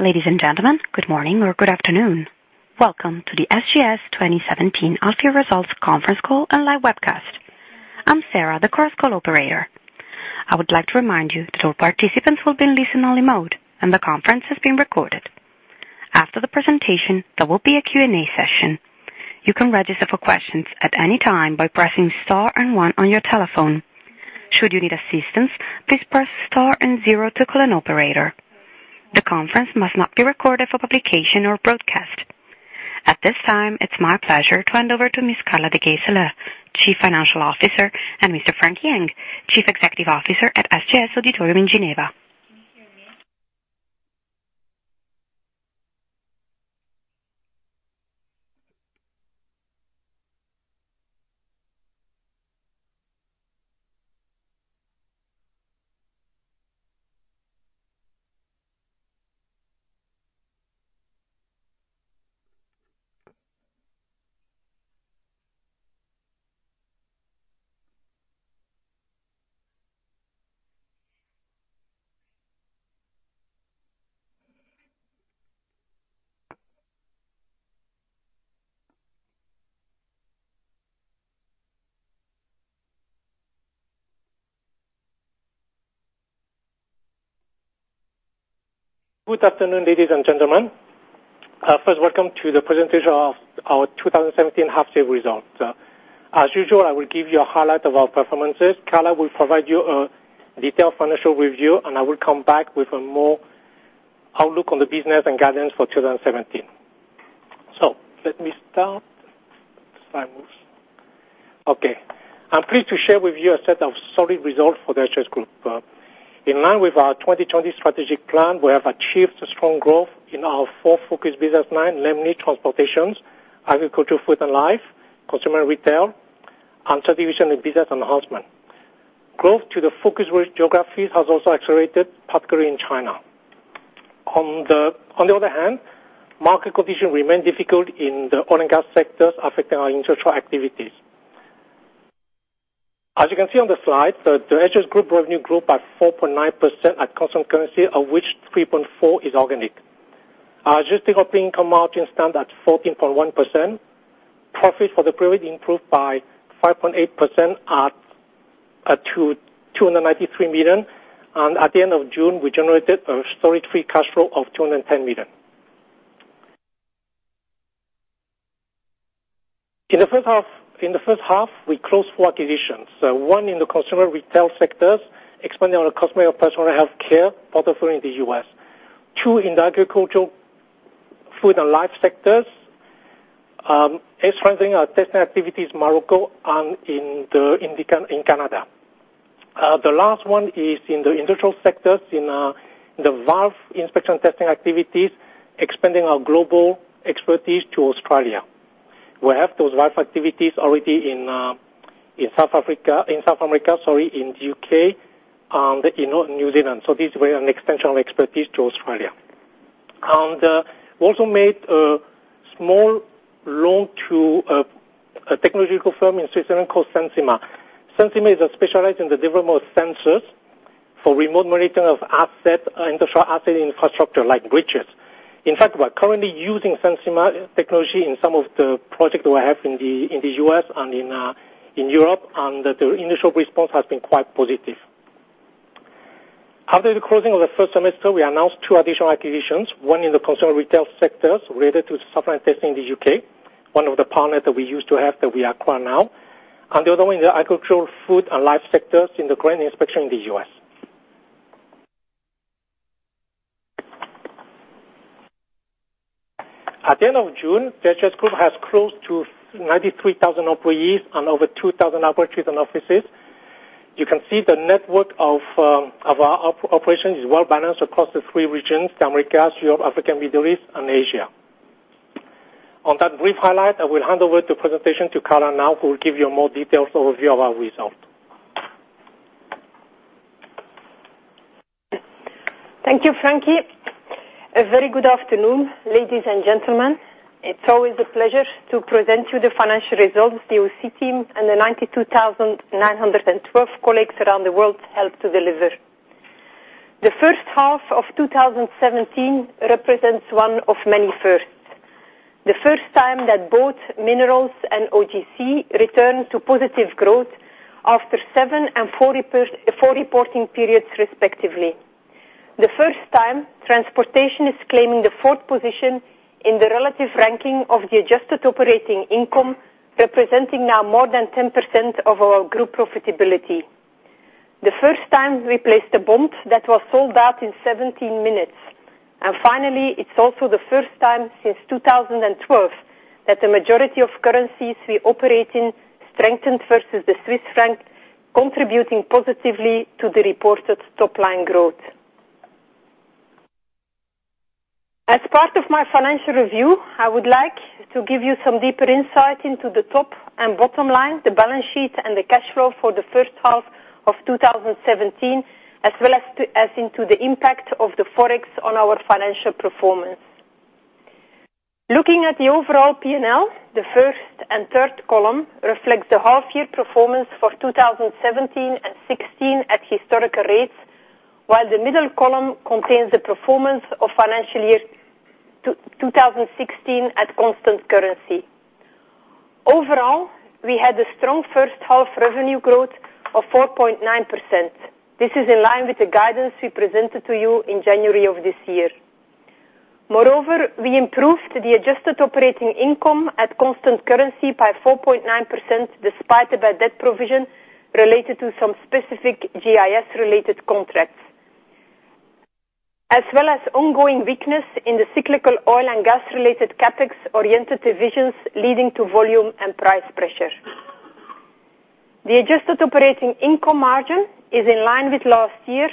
Ladies and gentlemen, good morning or good afternoon. Welcome to the SGS 2017 Half Year Results Conference Call and live webcast. I'm Sarah, the conference call operator. I would like to remind you that all participants will be in listen-only mode, and the conference is being recorded. After the presentation, there will be a Q&A session. You can register for questions at any time by pressing star and one on your telephone. Should you need assistance, please press star and zero to call an operator. The conference must not be recorded for publication or broadcast. At this time, it's my pleasure to hand over to Ms. Carla De Giese, Chief Financial Officer, and Mr. Frankie Ng, Chief Executive Officer at SGS Auditorium in Geneva. Can you hear me? Good afternoon, ladies and gentlemen. First, welcome to the presentation of our 2017 half year results. As usual, I will give you a highlight of our performances. Carla will provide you a detailed financial review, and I will come back with more outlook on the business and guidance for 2017. Let me start. Slide moves. Okay. I'm pleased to share with you a set of solid results for the SGS group. In line with our 2020 strategic plan, we have achieved strong growth in our 4 focused business lines, namely Transportation, Agriculture. Food and life, consumer retail, and subdivision in business enhancement. Growth to the focused geographies has also accelerated, particularly in China. On the other hand, market conditions remain difficult in the oil and gas sectors, affecting our insurance activities. As you can see on the slide, the SGS group revenue grew by 4.9% at constant currency, of which 3.4% is organic. Adjusted operating income margin stands at 14.1%. Profit for the period improved by 5.8% at 293 million, and at the end of June, we generated a solid free cash flow of 210 million. In the first half, we closed 4 acquisitions. One in the consumer retail sectors, expanding our consumer personal healthcare portfolio in the U.S. 2 in the agricultural, food and life sectors, expanding our testing activities Morocco and in Canada. The last 1 is in the industrial sectors, in the valve inspection testing activities, expanding our global expertise to Australia. We have those valve activities already in South Africa, in South America, sorry, in U.K., and in New Zealand. This is an extension of expertise to Australia. We also made a small loan to a technological firm in Switzerland called Sensima. Sensima is specialized in the development of sensors for remote monitoring of asset infrastructure like bridges. In fact, we are currently using Sensima technology in some of the projects we have in the U.S. and in Europe, the initial response has been quite positive. After the closing of the first semester, we announced two additional acquisitions, one in the consumer retail sectors related to software testing in the U.K., one of the partners that we used to have that we acquired now. The other one in the agricultural, food and life sectors in the grain inspection in the U.S. At the end of June, the SGS group has close to 93,000 employees and over 2,000 operating offices. You can see the network of our operations is well balanced across the three regions, Americas, Europe, Africa, Middle East and Asia. On that brief highlight, I will hand over the presentation to Carla now, who will give you a more detailed overview of our results. Thank you, Frankie. A very good afternoon, ladies and gentlemen. It is always a pleasure to present you the financial results the OGC team and the 92,912 colleagues around the world helped to deliver. The first half of 2017 represents one of many firsts. The first time that both minerals and OGC returned to positive growth after seven and four reporting periods, respectively. The first time transportation is claiming the fourth position in the relative ranking of the adjusted operating income, representing now more than 10% of our group profitability. The first time we placed a bond that was sold out in 17 minutes. Finally, it is also the first time since 2012 that the majority of currencies we operate in strengthened versus the Swiss franc, contributing positively to the reported top line growth. As part of my financial review, I would like to give you some deeper insight into the top and bottom line, the balance sheet, and the cash flow for the first half of 2017, as well as into the impact of the Forex on our financial performance. Looking at the overall P&L, the first and third column reflects the half year performance for 2017 and 2016 at historical rates, while the middle column contains the performance of financial year 2016 at constant currency. Overall, we had a strong first half revenue growth of 4.9%. This is in line with the guidance we presented to you in January of this year. Moreover, we improved the adjusted operating income at constant currency by 4.9%, despite a bad debt provision related to some specific GIS related contracts. As well as ongoing weakness in the cyclical oil and gas related CapEx-oriented divisions, leading to volume and price pressure. The adjusted operating income margin is in line with last year,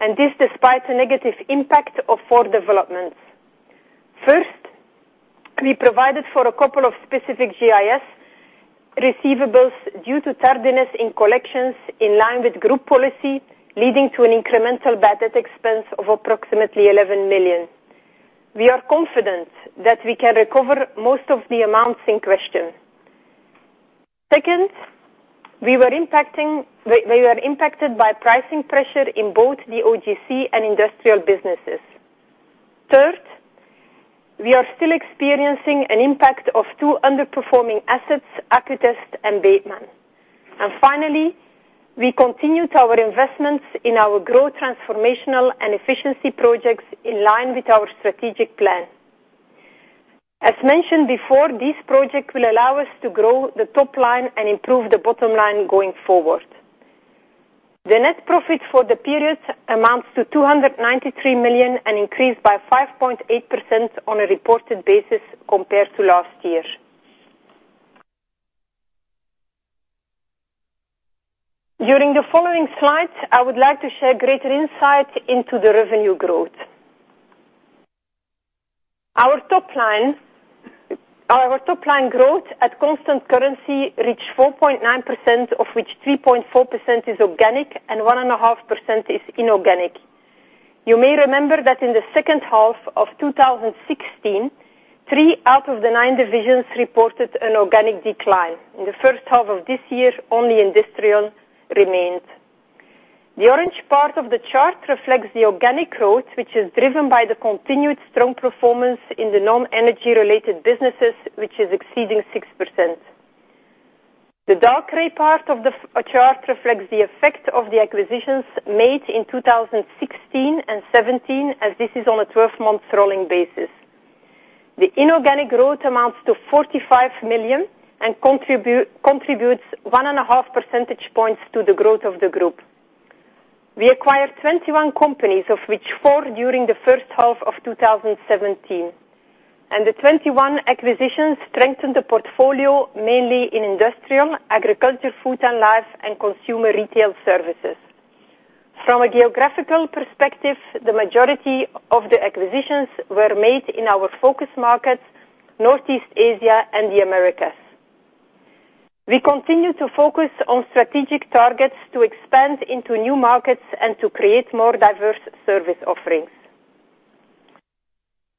and this despite a negative impact of four developments. First, we provided for a couple of specific GIS receivables due to tardiness in collections, in line with group policy, leading to an incremental bad debt expense of approximately 11 million. We are confident that we can recover most of the amounts in question. Second, we were impacted by pricing pressure in both the OGC and industrial businesses. Third, we are still experiencing an impact of two underperforming assets, Accutest and Bateman. Finally, we continued our investments in our growth, transformational, and efficiency projects in line with our strategic plan. As mentioned before, this project will allow us to grow the top line and improve the bottom line going forward. The net profit for the period amounts to 293 million, an increase by 5.8% on a reported basis compared to last year. During the following slides, I would like to share greater insight into the revenue growth. Our top line growth at constant currency reached 4.9%, of which 3.4% is organic and 1.5% is inorganic. You may remember that in the second half of 2016, three out of the nine divisions reported an organic decline. In the first half of this year, only industrial remained. The orange part of the chart reflects the organic growth, which is driven by the continued strong performance in the non-energy related businesses, which is exceeding 6%. The dark gray part of the chart reflects the effect of the acquisitions made in 2016 and 2017, as this is on a 12-month rolling basis. The inorganic growth amounts to 45 million and contributes 1.5 percentage points to the growth of the group. We acquired 21 companies, of which four during the first half of 2017. The 21 acquisitions strengthened the portfolio mainly in industrial, agriculture, food and life, and consumer retail services. From a geographical perspective, the majority of the acquisitions were made in our focus markets, Northeast Asia and the Americas. We continue to focus on strategic targets to expand into new markets and to create more diverse service offerings.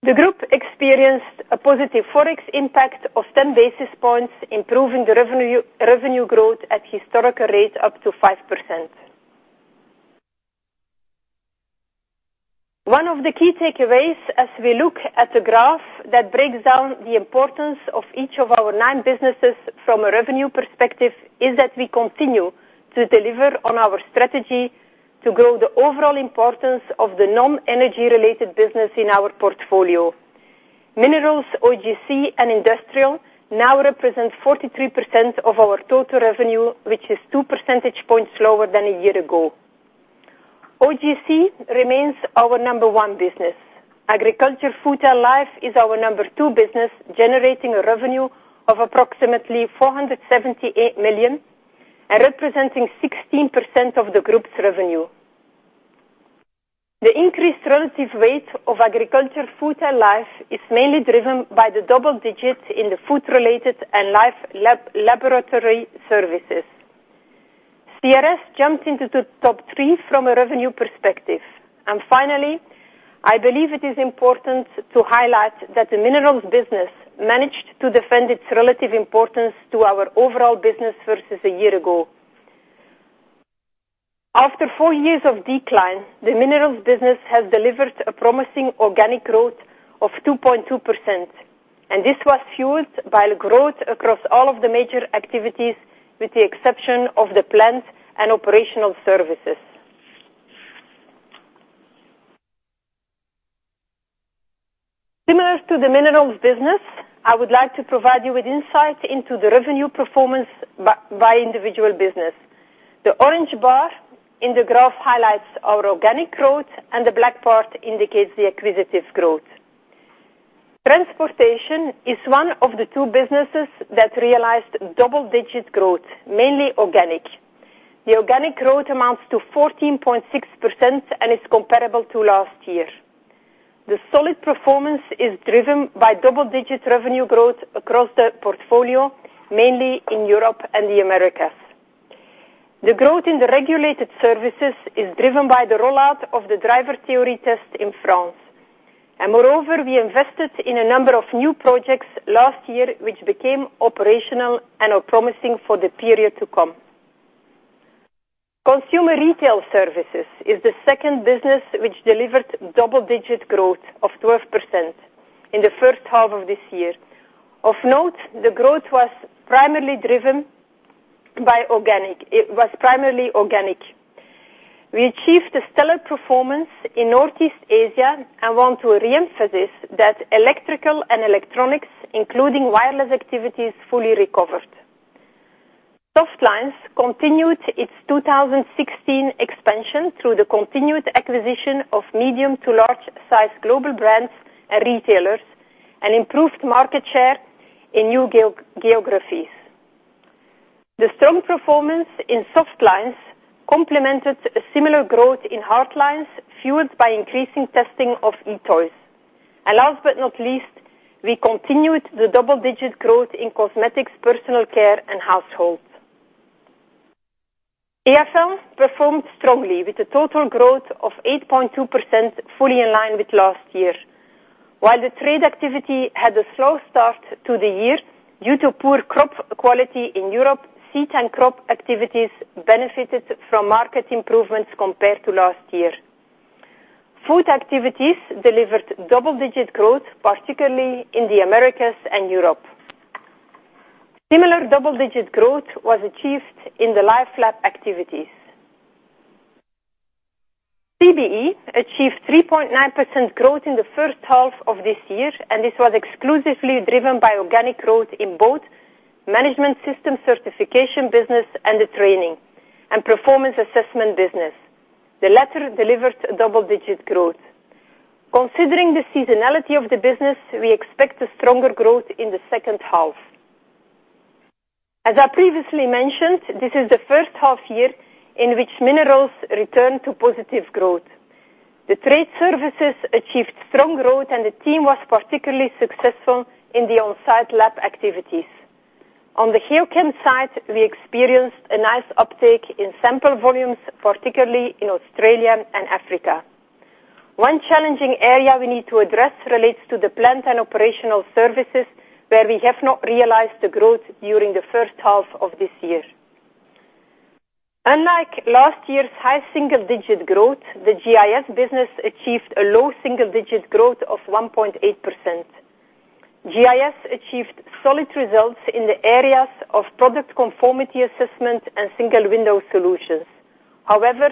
The group experienced a positive Forex impact of 10 basis points, improving the revenue growth at historical rate up to 5%. One of the key takeaways as we look at the graph that breaks down the importance of each of our nine businesses from a revenue perspective is that we continue to deliver on our strategy to grow the overall importance of the non-energy related business in our portfolio. Minerals, OGC, and industrial now represent 43% of our total revenue, which is two percentage points lower than a year ago. OGC remains our number one business. Agriculture, food, and life is our number two business, generating a revenue of approximately 478 million and representing 16% of the group's revenue. CRS jumped into the top three from a revenue perspective. Finally, I believe it is important to highlight that the Minerals business managed to defend its relative importance to our overall business versus a year ago. After four years of decline, the Minerals business has delivered a promising organic growth of 2.2%, and this was fueled by growth across all of the major activities with the exception of the Plant and Operational Services. Similar to the Minerals business, I would like to provide you with insight into the revenue performance by individual business. The orange bar in the graph highlights our organic growth, and the black part indicates the acquisitive growth. Transportation is one of the two businesses that realized double-digit growth, mainly organic. The organic growth amounts to 14.6% and is comparable to last year. The solid performance is driven by double-digit revenue growth across the portfolio, mainly in Europe and the Americas. The growth in the Regulated Services is driven by the rollout of the driver theory test in France. Moreover, we invested in a number of new projects last year, which became operational and are promising for the period to come. Consumer Retail Services is the second business which delivered double-digit growth of 12% in the first half of this year. Of note, the growth was primarily organic. We achieved a stellar performance in Northeast Asia and want to reemphasize that Electrical and Electronics, including wireless activities, fully recovered. Softlines continued its 2016 expansion through the continued acquisition of medium to large size global brands and retailers, and improved market share in new geographies. The strong performance in Softlines complemented a similar growth in Hardlines, fueled by increasing testing of EE toys. Last but not least, we continued the double-digit growth in Cosmetics, Personal Care, and Households. Agrium performed strongly with a total growth of 8.2%, fully in line with last year. While the Trade activity had a slow start to the year due to poor crop quality in Europe, Seed and Crop activities benefited from market improvements compared to last year. Food activities delivered double-digit growth, particularly in the Americas and Europe. Similar double-digit growth was achieved in the Life Lab activities. CBE achieved 3.9% growth in the first half of this year, and this was exclusively driven by organic growth in both Management System Certification business and the Training and Performance Assessment business. The latter delivered double-digit growth. Considering the seasonality of the business, we expect a stronger growth in the second half. As I previously mentioned, this is the first half year in which Minerals returned to positive growth. The Trade Services achieved strong growth, and the team was particularly successful in the on-site lab activities. On the Geochem side, we experienced a nice uptick in sample volumes, particularly in Australia and Africa. One challenging area we need to address relates to the Plant and Operational Services, where we have not realized the growth during the first half of this year. Unlike last year's high single-digit growth, the GIS business achieved a low double-digit growth of 1.8%. GIS achieved solid results in the areas of Product Conformity Assessment and single-window solutions. However,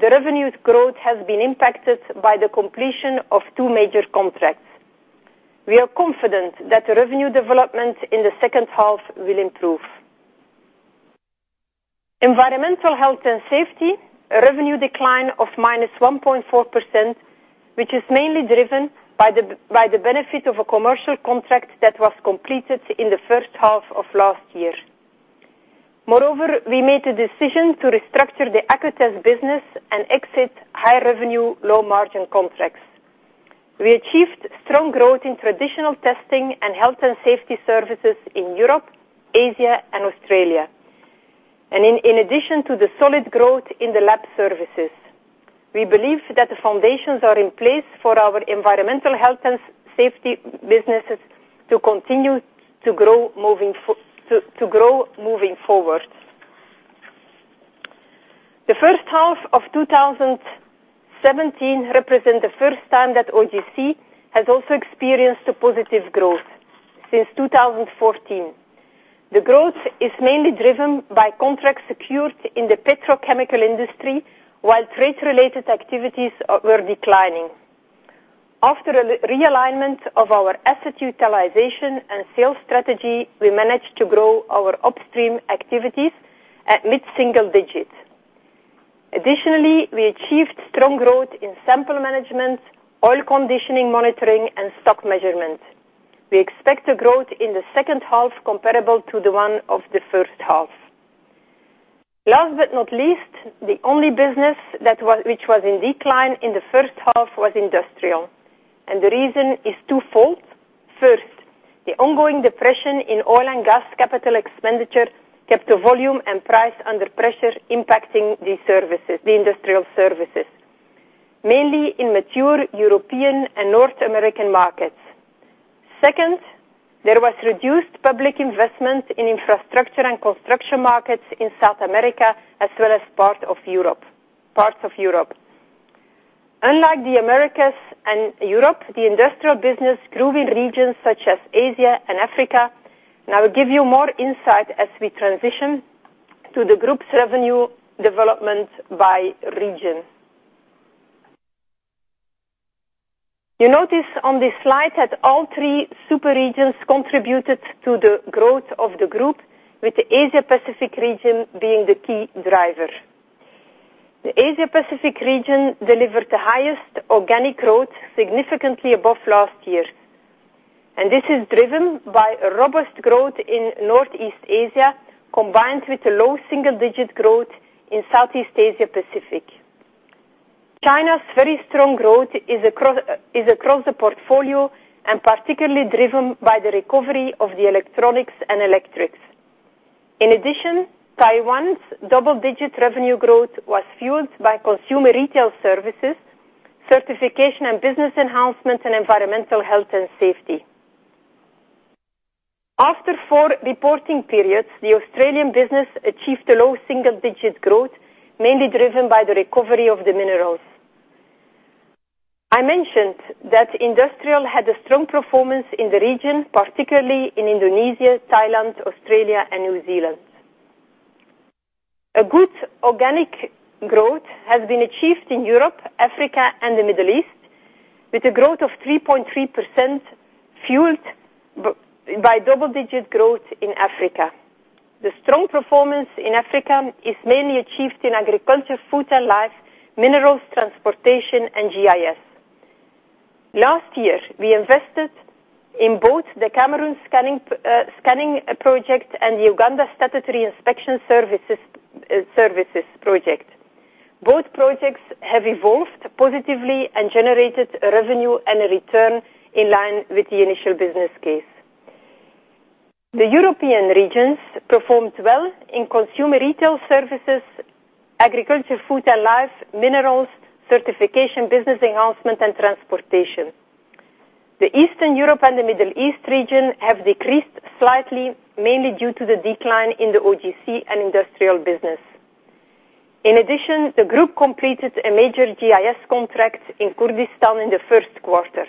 the revenues growth has been impacted by the completion of two major contracts. We are confident that the revenue development in the second half will improve. Environmental Health and Safety, a revenue decline of -1.4%, which is mainly driven by the benefit of a commercial contract that was completed in the first half of last year. Moreover, we made a decision to restructure the Accutest business and exit high-revenue, low-margin contracts. We achieved strong growth in traditional testing and health and safety services in Europe, Asia, and Australia. In addition to the solid growth in the lab services, we believe that the foundations are in place for our Environmental Health and Safety businesses to continue to grow moving forward. The first half of 2017 represent the first time that OGC has also experienced a positive growth since 2014. The growth is mainly driven by contracts secured in the petrochemical industry, while trade-related activities were declining. After a realignment of our asset utilization and sales strategy, we managed to grow our upstream activities at mid-single digits. Additionally, we achieved strong growth in sample management, oil conditioning monitoring, and stock measurement. We expect a growth in the second half comparable to the one of the first half. Last but not least, the only business which was in decline in the first half was industrial, the reason is twofold. First, the ongoing depression in oil and gas capital expenditure kept the volume and price under pressure, impacting the industrial services, mainly in mature European and North American markets. Second, there was reduced public investment in infrastructure and construction markets in South America as well as parts of Europe. Unlike the Americas and Europe, the industrial business grew in regions such as Asia and Africa. I will give you more insight as we transition to the group's revenue development by region. You notice on this slide that all three super regions contributed to the growth of the group, with the Asia-Pacific region being the key driver. The Asia-Pacific region delivered the highest organic growth, significantly above last year. This is driven by a robust growth in Northeast Asia, combined with a low single-digit growth in Southeast Asia-Pacific. China's very strong growth is across the portfolio and particularly driven by the recovery of the electronics and electrics. In addition, Taiwan's double-digit revenue growth was fueled by Consumer Retail Services, Certification and Business Enhancement, and Environmental Health and Safety. After four reporting periods, the Australian business achieved a low single-digit growth, mainly driven by the recovery of the minerals. I mentioned that industrial had a strong performance in the region, particularly in Indonesia, Thailand, Australia, and New Zealand. A good organic growth has been achieved in Europe, Africa, and the Middle East, with a growth of 3.3% fueled by double-digit growth in Africa. The strong performance in Africa is mainly achieved in Agriculture, Food and Life, Minerals, Transportation, and GIS. Last year, we invested in both the Cameroon scanning project and the Uganda statutory inspection services project. Both projects have evolved positively and generated a revenue and a return in line with the initial business case. The European regions performed well in Consumer Retail Services, Agriculture, Food and Life, Minerals, Certification, Business Enhancement, and Transportation. The Eastern Europe and the Middle East region have decreased slightly, mainly due to the decline in the OGC and industrial business. In addition, the group completed a major GIS contract in Kurdistan in the first quarter.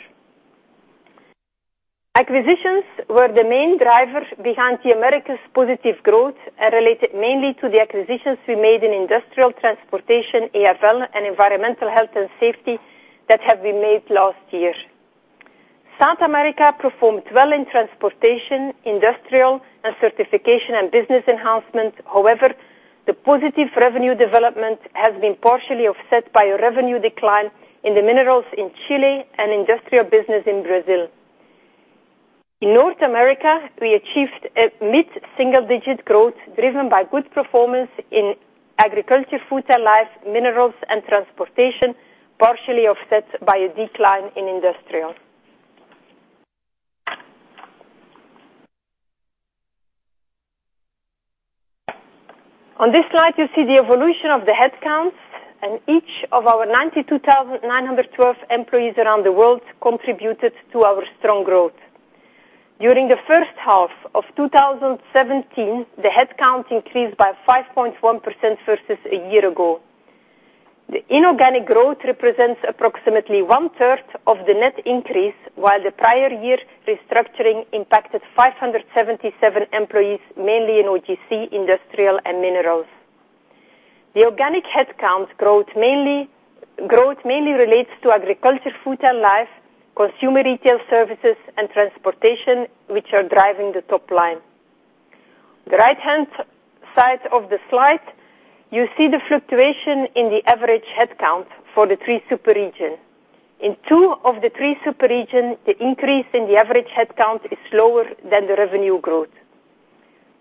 Acquisitions were the main driver behind the Americas' positive growth and related mainly to the acquisitions we made in Industrial Transportation, AFL, and Environmental Health and Safety that have been made last year. South America performed well in transportation, industrial, and certification and business enhancement. The positive revenue development has been partially offset by a revenue decline in the minerals in Chile and industrial business in Brazil. In North America, we achieved a mid-single digit growth driven by good performance in agriculture, food and life, minerals, and transportation, partially offset by a decline in industrial. On this slide, you see the evolution of the headcount, each of our 92,912 employees around the world contributed to our strong growth. During the first half of 2017, the headcount increased by 5.1% versus a year ago. The inorganic growth represents approximately one-third of the net increase, while the prior year restructuring impacted 577 employees, mainly in OGC, industrial, and minerals. The organic headcount growth mainly relates to agriculture, food and life, Consumer Retail Services, and transportation, which are driving the top line. The right-hand side of the slide, you see the fluctuation in the average headcount for the three super regions. In two of the three super regions, the increase in the average headcount is slower than the revenue growth.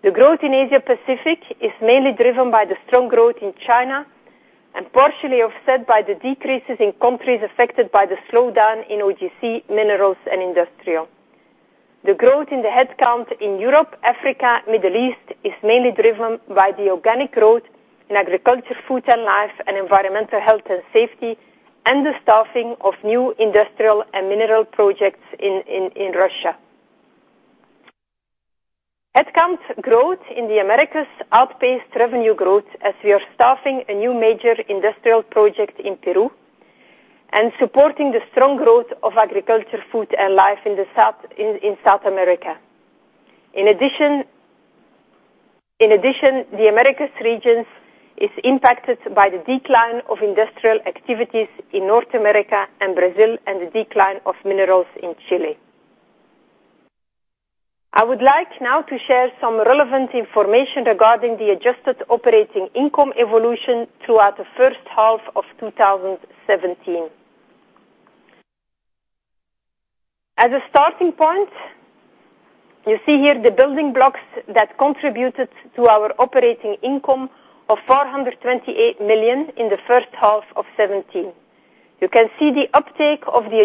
The growth in Asia Pacific is mainly driven by the strong growth in China partially offset by the decreases in countries affected by the slowdown in OGC, minerals, and industrial. The growth in the headcount in Europe, Africa, Middle East is mainly driven by the organic growth in agriculture, food and life, and Environmental Health and Safety, and the staffing of new industrial and mineral projects in Russia. Headcount growth in the Americas outpaced revenue growth as we are staffing a new major industrial project in Peru and supporting the strong growth of agriculture, food, and life in South America. The Americas region is impacted by the decline of industrial activities in North America and Brazil and the decline of minerals in Chile. I would like now to share some relevant information regarding the adjusted operating income evolution throughout the first half of 2017. You see here the building blocks that contributed to our operating income of 428 million in the first half of 2017. You can see that the uptake of the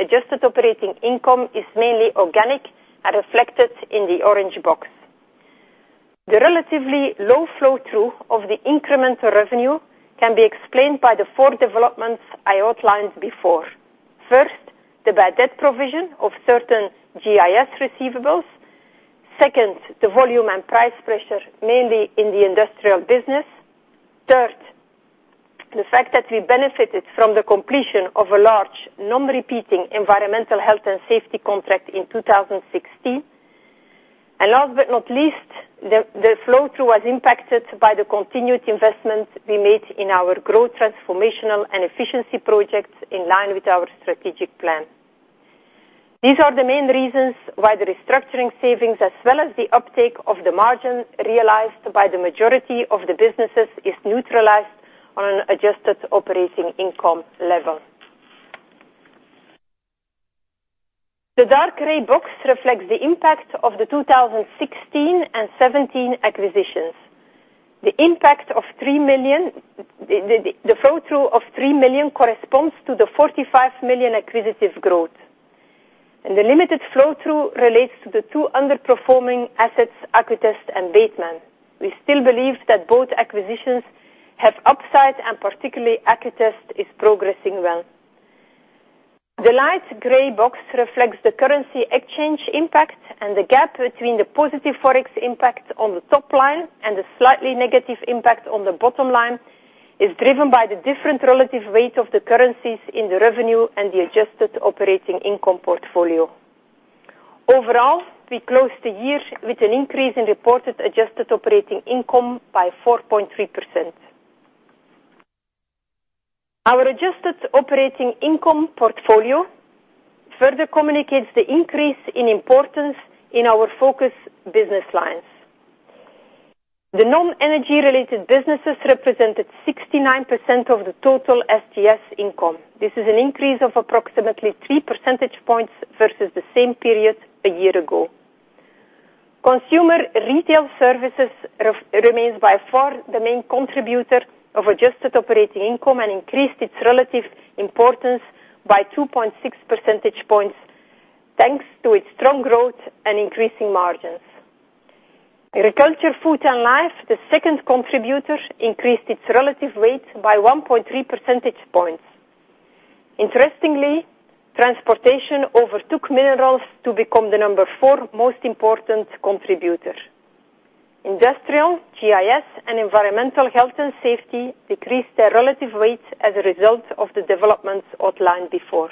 adjusted operating income is mainly organic, as reflected in the orange box. The relatively low flow through of the incremental revenue can be explained by the four developments I outlined before. First, the bad debt provision of certain GIS receivables. Second, the volume and price pressure, mainly in the industrial business. Third, the fact that we benefited from the completion of a large non-repeating Environmental Health and Safety contract in 2016. Last but not least, the flow through was impacted by the continued investment we made in our growth transformational and efficiency projects in line with our strategic plan. These are the main reasons why the restructuring savings, as well as the uptake of the margin realized by the majority of the businesses, is neutralized on an adjusted operating income level. The dark gray box reflects the impact of the 2016 and 2017 acquisitions. The flow-through of 3 million corresponds to the 45 million acquisitive growth. The limited flow-through relates to the two underperforming assets, Accutest and Bateman. We still believe that both acquisitions have upside, and particularly Accutest is progressing well. The light gray box reflects the currency exchange impact and the gap between the positive Forex impact on the top line and the slightly negative impact on the bottom line is driven by the different relative weight of the currencies in the revenue and the adjusted operating income portfolio. Overall, we closed the year with an increase in reported adjusted operating income by 4.3%. Our adjusted operating income portfolio further communicates the increase in importance in our focus business lines. The non-energy related businesses represented 69% of the total SGS income. This is an increase of approximately three percentage points versus the same period a year ago. Consumer retail services remains by far the main contributor of adjusted operating income and increased its relative importance by 2.6 percentage points, thanks to its strong growth and increasing margins. Agriculture, food and life, the second contributor, increased its relative weight by 1.3 percentage points. Interestingly, transportation overtook Minerals to become the number 4 most important contributor. Industrial, GIS, and environmental health and safety decreased their relative weight as a result of the developments outlined before.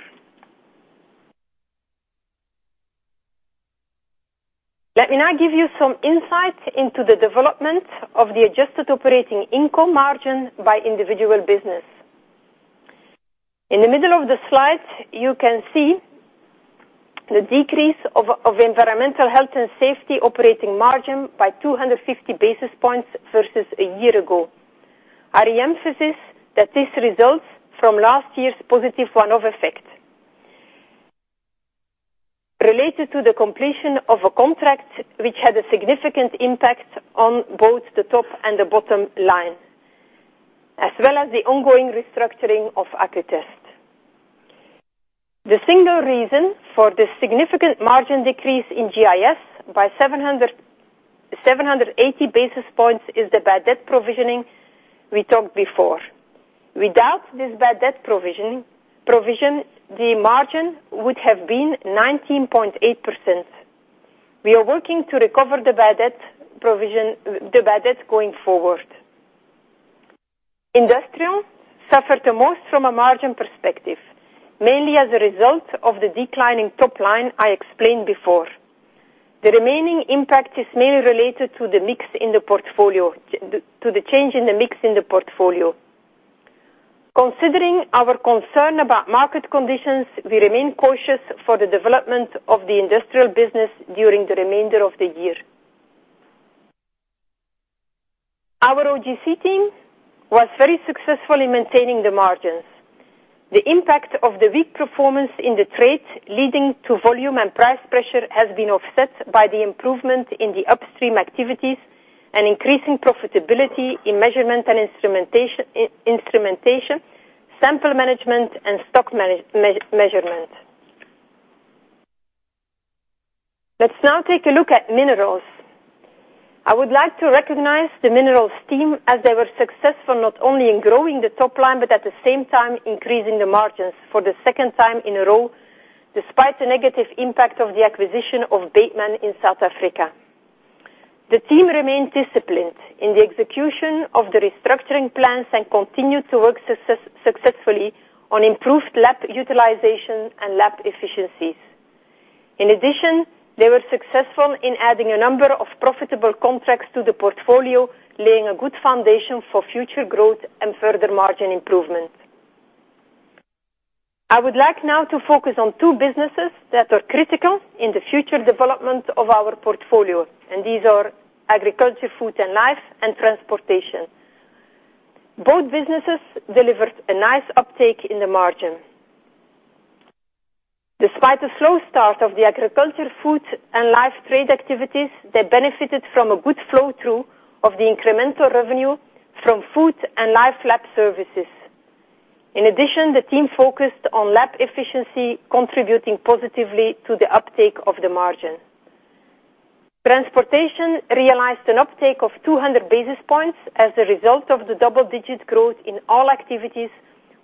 Let me now give you some insight into the development of the adjusted operating income margin by individual business. In the middle of the slide, you can see the decrease of environmental health and safety operating margin by 250 basis points versus a year ago. I re-emphasize that this results from last year's positive one-off effect. Related to the completion of a contract which had a significant impact on both the top and the bottom line, as well as the ongoing restructuring of Accutest. The single reason for this significant margin decrease in GIS by 780 basis points is the bad debt provisioning we talked before. Without this bad debt provision, the margin would have been 19.8%. We are working to recover the bad debt going forward. Industrial suffered the most from a margin perspective, mainly as a result of the decline in top line I explained before. The remaining impact is mainly related to the change in the mix in the portfolio. Considering our concern about market conditions, we remain cautious for the development of the Industrial business during the remainder of the year. Our OGC team was very successful in maintaining the margins. The impact of the weak performance in the trade leading to volume and price pressure has been offset by the improvement in the upstream activities and increasing profitability in measurement and instrumentation, sample management, and stock measurement. Let's now take a look at Minerals. I would like to recognize the Minerals team as they were successful, not only in growing the top line, but at the same time increasing the margins for the second time in a row, despite the negative impact of the acquisition of Bateman in South Africa. The team remained disciplined in the execution of the restructuring plans and continued to work successfully on improved lab utilization and lab efficiencies. In addition, they were successful in adding a number of profitable contracts to the portfolio, laying a good foundation for future growth and further margin improvement. I would like now to focus on two businesses that are critical in the future development of our portfolio, and these are Agriculture, food and life, and transportation. Both businesses delivered a nice uptake in the margin. Despite the slow start of the agriculture, food, and life trade activities, they benefited from a good flow-through of the incremental revenue from food and life lab services. In addition, the team focused on lab efficiency, contributing positively to the uptake of the margin. Transportation realized an uptake of 200 basis points as a result of the double-digit growth in all activities,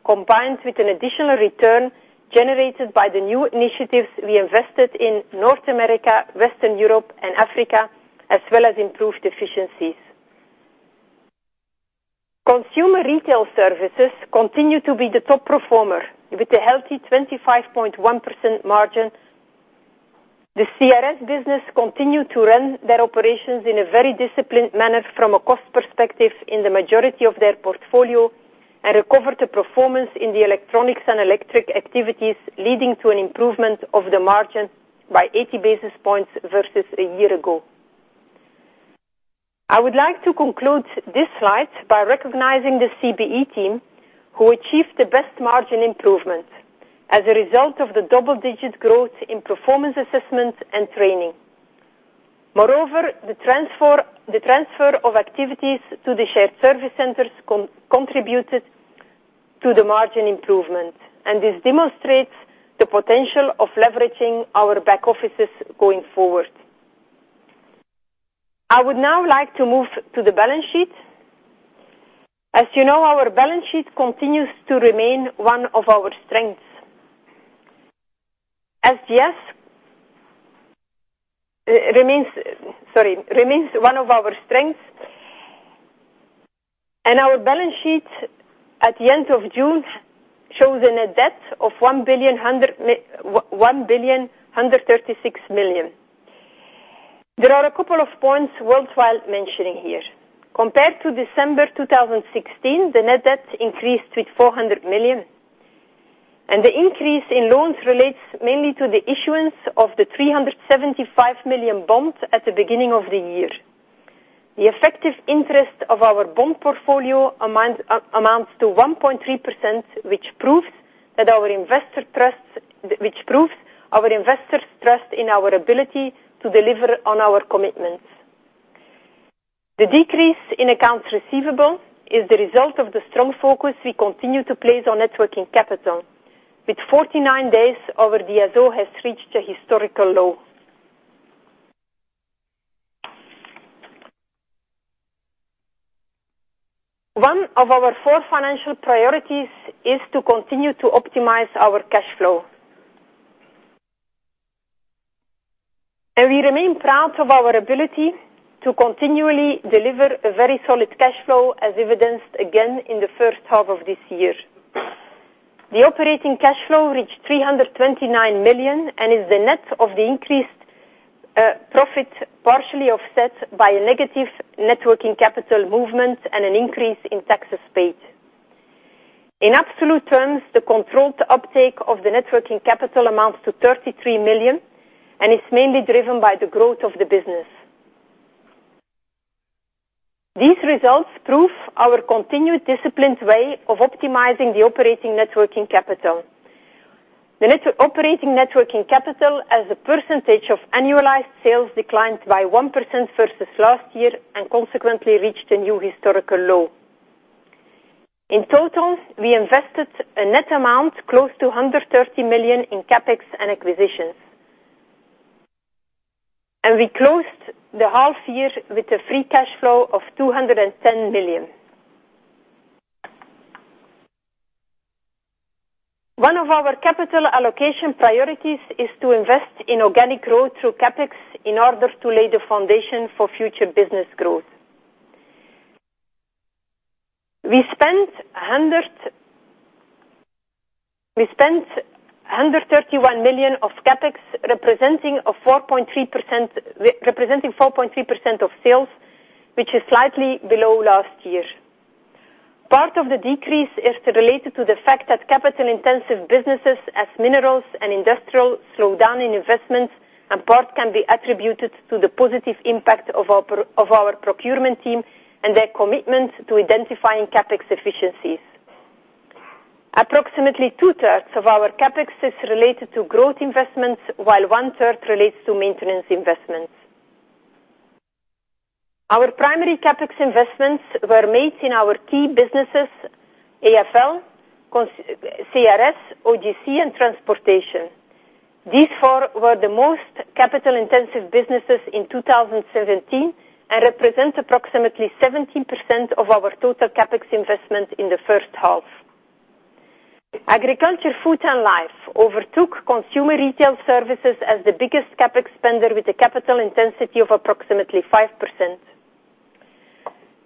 combined with an additional return generated by the new initiatives we invested in North America, Western Europe, and Africa, as well as improved efficiencies. Consumer retail services continue to be the top performer with a healthy 25.1% margin. The CRS business continue to run their operations in a very disciplined manner from a cost perspective in the majority of their portfolio and recovered the performance in the electronics and electric activities, leading to an improvement of the margin by 80 basis points versus a year ago. I would like to conclude this slide by recognizing the CBE team, who achieved the best margin improvement as a result of the double-digit growth in performance assessment and training. Moreover, the transfer of activities to the shared service centers contributed to the margin improvement, and this demonstrates the potential of leveraging our back offices going forward. I would now like to move to the balance sheet. As you know, our balance sheet continues to remain one of our strengths. SGS remains one of our strengths, and our balance sheet at the end of June shows a net debt of 1,136,000,000. There are a couple of points worthwhile mentioning here. Compared to December 2016, the net debt increased with 400 million, and the increase in loans relates mainly to the issuance of the 375 million bond at the beginning of the year. The effective interest of our bond portfolio amounts to 1.3%, which proves our investors' trust in our ability to deliver on our commitments. The decrease in accounts receivable is the result of the strong focus we continue to place on net working capital. With 49 days, our DSO has reached a historical low. One of our four financial priorities is to continue to optimize our cash flow. We remain proud of our ability to continually deliver a very solid cash flow, as evidenced again in the first half of this year. The operating cash flow reached 329 million and is the net of the increased profit, partially offset by a negative net working capital movement and an increase in taxes paid. In absolute terms, the controlled uptake of the net working capital amounts to 33 million and is mainly driven by the growth of the business. These results prove our continued disciplined way of optimizing the operating net working capital. The net operating net working capital as a percentage of annualized sales declined by 1% versus last year and consequently reached a new historical low. In total, we invested a net amount close to 130 million in CapEx and acquisitions. We closed the half year with a free cash flow of 210 million. One of our capital allocation priorities is to invest in organic growth through CapEx in order to lay the foundation for future business growth. We spent 131 million of CapEx, representing 4.3% of sales, which is slightly below last year. Part of the decrease is related to the fact that capital-intensive businesses as Minerals and Industrial slow down in investments, and part can be attributed to the positive impact of our procurement team and their commitment to identifying CapEx efficiencies. Approximately two-thirds of our CapEx is related to growth investments, while one-third relates to maintenance investments. Our primary CapEx investments were made in our key businesses, AFL, CRS, OGC, and transportation. These four were the most capital-intensive businesses in 2017 and represent approximately 17% of our total CapEx investment in the first half. Agriculture, Food, and Life overtook Consumer Retail Services as the biggest CapEx spender, with a capital intensity of approximately 5%.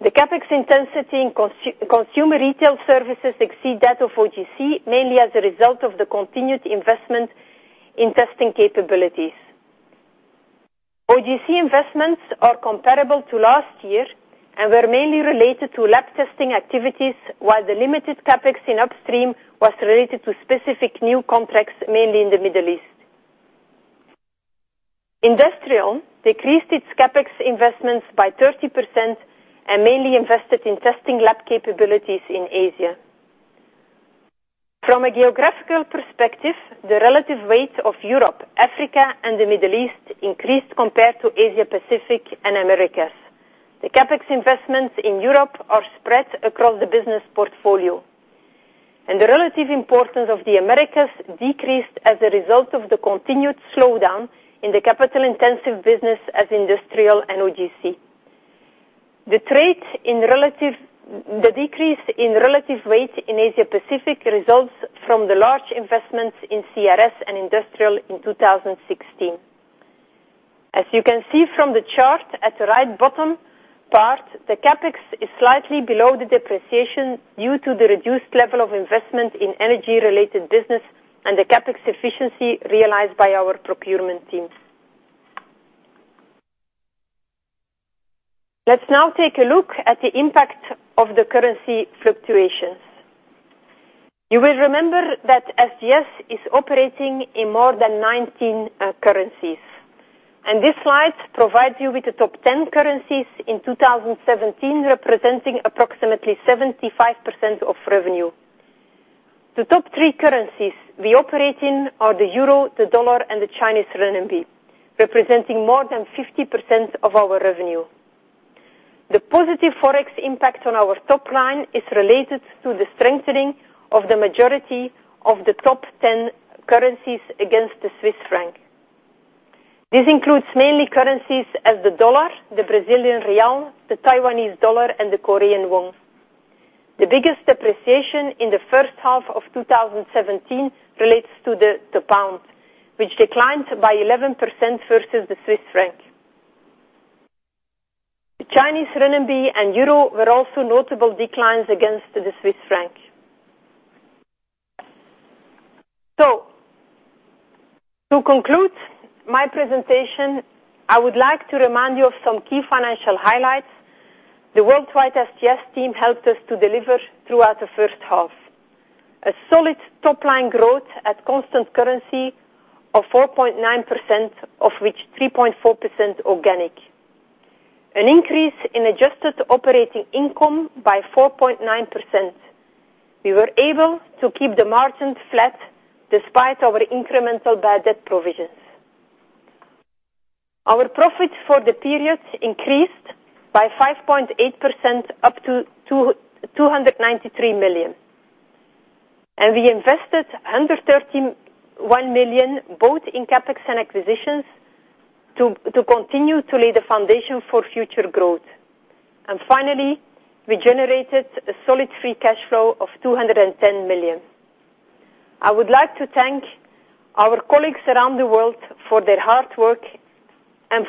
The CapEx intensity in Consumer Retail Services exceeded that of OGC, mainly as a result of the continued investment in testing capabilities. OGC investments are comparable to last year and were mainly related to lab testing activities, while the limited CapEx in upstream was related to specific new contracts, mainly in the Middle East. Industrial decreased its CapEx investments by 30% and mainly invested in testing lab capabilities in Asia. From a geographical perspective, the relative weight of Europe, Africa, and the Middle East increased compared to Asia Pacific and Americas. The CapEx investments in Europe are spread across the business portfolio, and the relative importance of the Americas decreased as a result of the continued slowdown in the capital-intensive business as Industrial and OGC. The decrease in relative weight in Asia Pacific results from the large investments in CRS and Industrial in 2016. As you can see from the chart at the right bottom part, the CapEx is slightly below the depreciation due to the reduced level of investment in energy-related business and the CapEx efficiency realized by our procurement teams. Let's now take a look at the impact of the currency fluctuations. You will remember that SGS is operating in more than 19 currencies, and this slide provides you with the top 10 currencies in 2017, representing approximately 75% of revenue. The top three currencies we operate in are the euro, the dollar, and the Chinese renminbi, representing more than 50% of our revenue. The positive Forex impact on our top line is related to the strengthening of the majority of the top 10 currencies against the Swiss franc. This includes mainly currencies as the dollar, the Brazilian real, the Taiwanese dollar, and the Korean won. The biggest depreciation in the first half of 2017 relates to the pound, which declined by 11% versus the Swiss franc. The Chinese renminbi and euro were also notable declines against the Swiss franc. To conclude my presentation, I would like to remind you of some key financial highlights. The worldwide SGS team helped us to deliver throughout the first half. A solid top-line growth at constant currency of 4.9%, of which 3.4% organic. An increase in adjusted operating income by 4.9%. We were able to keep the margins flat despite our incremental bad debt provisions. Our profit for the period increased by 5.8% up to 293 million, and we invested 131 million both in CapEx and acquisitions to continue to lay the foundation for future growth. And finally, we generated a solid free cash flow of 210 million. I would like to thank our colleagues around the world for their hard work, and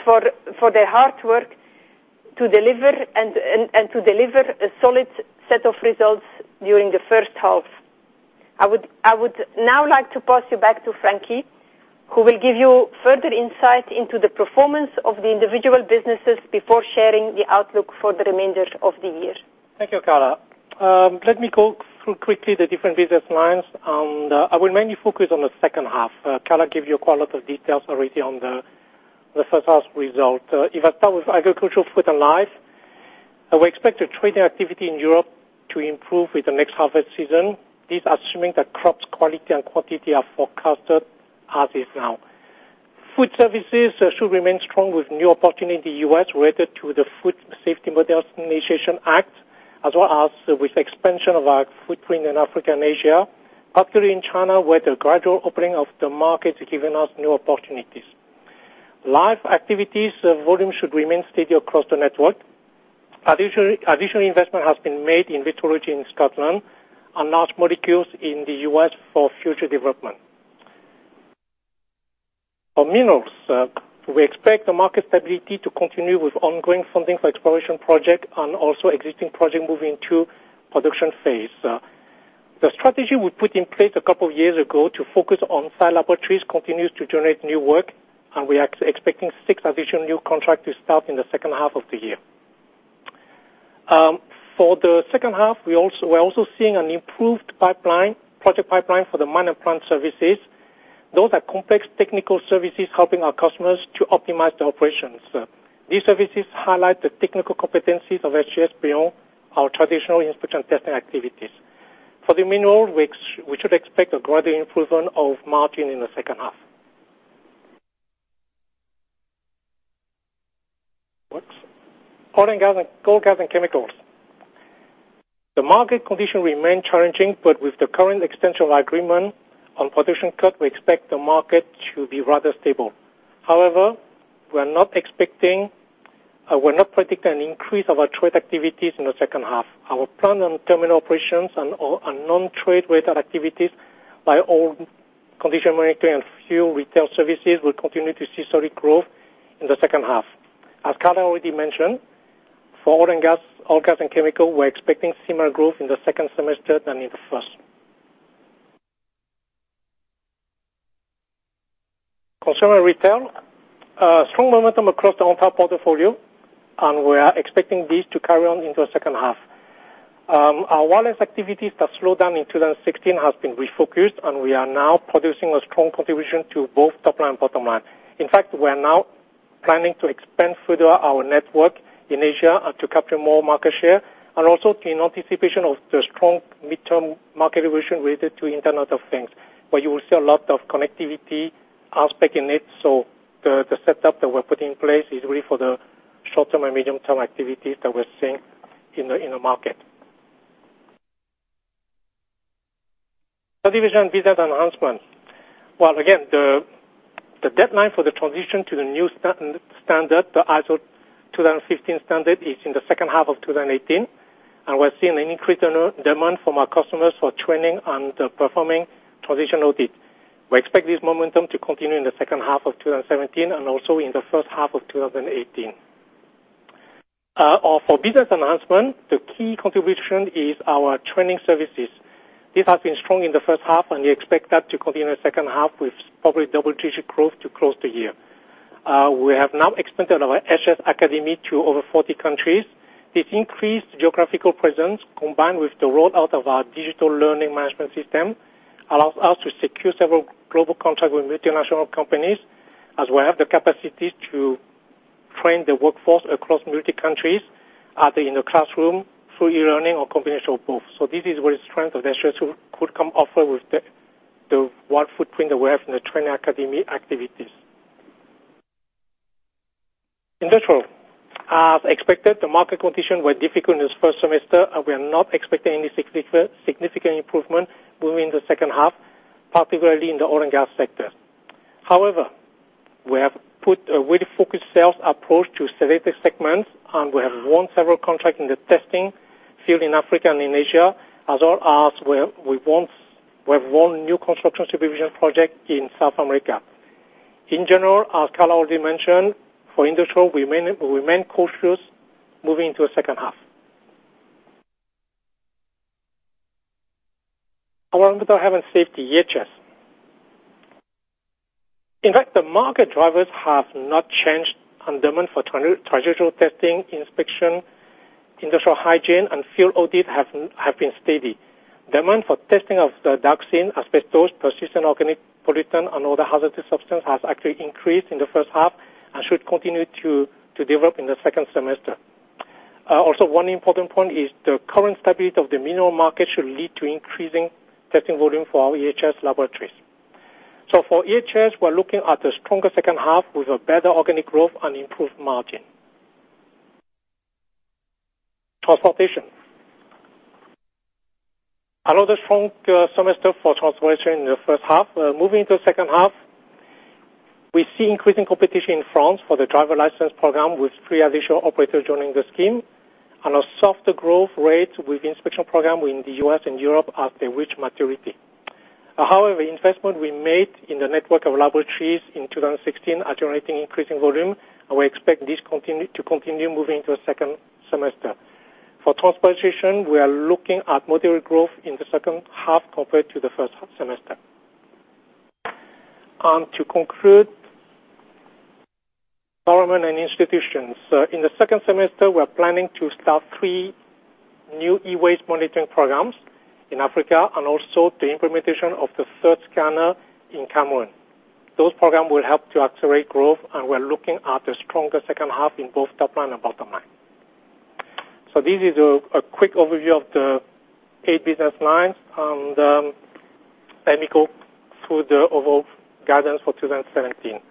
to deliver a solid set of results during the first half. I would now like to pass you back to Frankie, who will give you further insight into the performance of the individual businesses before sharing the outlook for the remainder of the year. Thank you, Carla. Let me go through quickly the different business lines. I will mainly focus on the second half. Carla gave you quite a lot of details already on the first half result. If I start with agricultural, food, and life, we expect the trading activity in Europe to improve with the next harvest season. This assuming that crops quality and quantity are forecasted as is now. Food services should remain strong with new opportunity in the U.S. related to the Food Safety Modernization Act, as well as with expansion of our footprint in Africa and Asia. Particularly in China, where the gradual opening of the market is giving us new opportunities. Life activities volume should remain steady across the network. Additional investment has been made in virology in Scotland and large molecules in the U.S. for future development. For minerals, we expect the market stability to continue with ongoing funding for exploration project and also existing project moving to production phase. The strategy we put in place a couple of years ago to focus on site laboratories continues to generate new work, and we are expecting six additional new contract to start in the second half of the year. For the second half, we are also seeing an improved project pipeline for the mine and plant services. Those are complex technical services helping our customers to optimize their operations. These services highlight the technical competencies of SGS beyond our traditional inspection testing activities. For the mineral, we should expect a gradual improvement of margin in the second half. Works. Oil, gas, and chemicals. With the current extension of agreement on production cut, we expect the market to be rather stable. We are not predicting an increase of our trade activities in the second half. Our plan on terminal operations and non-trade related activities by oil condition monitoring and few retail services will continue to see solid growth in the second half. As Carla already mentioned, for oil and gas, oil, gas, and chemical, we are expecting similar growth in the second semester than in the first. Consumer retail. Strong momentum across the OnTop portfolio. We are expecting this to carry on into the second half. Our wireless activities that slowed down in 2016 has been refocused. We are now producing a strong contribution to both top line and bottom line. We are now planning to expand further our network in Asia to capture more market share. Also in anticipation of the strong midterm market evolution related to Internet of Things, where you will see a lot of connectivity aspect in it. The setup that we are putting in place is really for the short-term and medium-term activities that we are seeing in the market. Per division business enhancement. Again, the deadline for the transition to the new standard, the ISO 9001:2015 standard, is in the second half of 2018. We are seeing an increase in demand from our customers for training and performing transition audit. We expect this momentum to continue in the second half of 2017. Also in the first half of 2018. For business enhancement, the key contribution is our training services. This has been strong in the first half, and we expect that to continue in the second half with probably double-digit growth to close the year. We have now expanded our SGS Academy to over 40 countries. This increased geographical presence, combined with the rollout of our digital learning management system, allows us to secure several global contracts with multinational companies as we have the capacity to train the workforce across multiple countries, either in the classroom, through e-learning, or a combination of both. This is where the strength of SGS could come off with the wide footprint that we have in the training academy activities. Industrial. As expected, the market conditions were difficult in this first semester, and we are not expecting any significant improvement during the second half, particularly in the oil and gas sector. However, we have put a really focused sales approach to selected segments, and we have won several contracts in the testing field in Africa and in Asia, as well as we have won new construction supervision projects in South America. In general, as Carla already mentioned, for industrial, we remain cautious moving into the second half. Our health and safety, EHS. In fact, the market drivers have not changed, and demand for traditional testing, inspection, industrial hygiene, and field audits have been steady. Demand for testing of dioxin, asbestos, persistent organic pollutant, and other hazardous substance has actually increased in the first half and should continue to develop in the second semester. Also, one important point is the current stability of the mineral market should lead to increasing testing volume for our EHS laboratories. For EHS, we're looking at a stronger second half with a better organic growth and improved margin. Transportation. Another strong semester for transportation in the first half. Moving to the second half, we see increasing competition in France for the driver license program with three additional operators joining the scheme and a softer growth rate with inspection program in the U.S. and Europe as they reach maturity. However, investment we made in the network of laboratories in 2016 are generating increasing volume, and we expect this to continue moving into the second semester. For transportation, we are looking at moderate growth in the second half compared to the first semester. To conclude, government and institutions. In the second semester, we are planning to start three new e-waste monitoring programs in Africa and also the implementation of the third scanner in Cameroon. Those programs will help to accelerate growth, and we're looking at a stronger second half in both top line and bottom line. This is a quick overview of the eight business lines, and let me go through the overall guidance for 2017.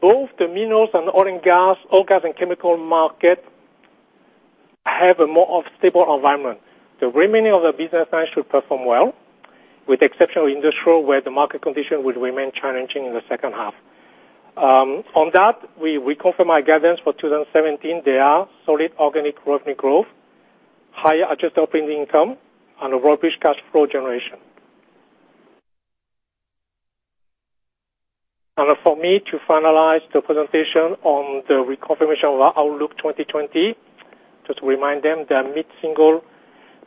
Both the minerals and oil and gas, oil, gas, and chemical market have a more stable environment. The remaining of the business lines should perform well, with the exception of industrial, where the market condition will remain challenging in the second half. On that, we confirm our guidance for 2017. They are solid organic revenue growth, higher adjusted operating income, and robust cash flow generation. And for me to finalize the presentation on the reconfirmation of our Outlook 2020. Just to remind them, they are mid-single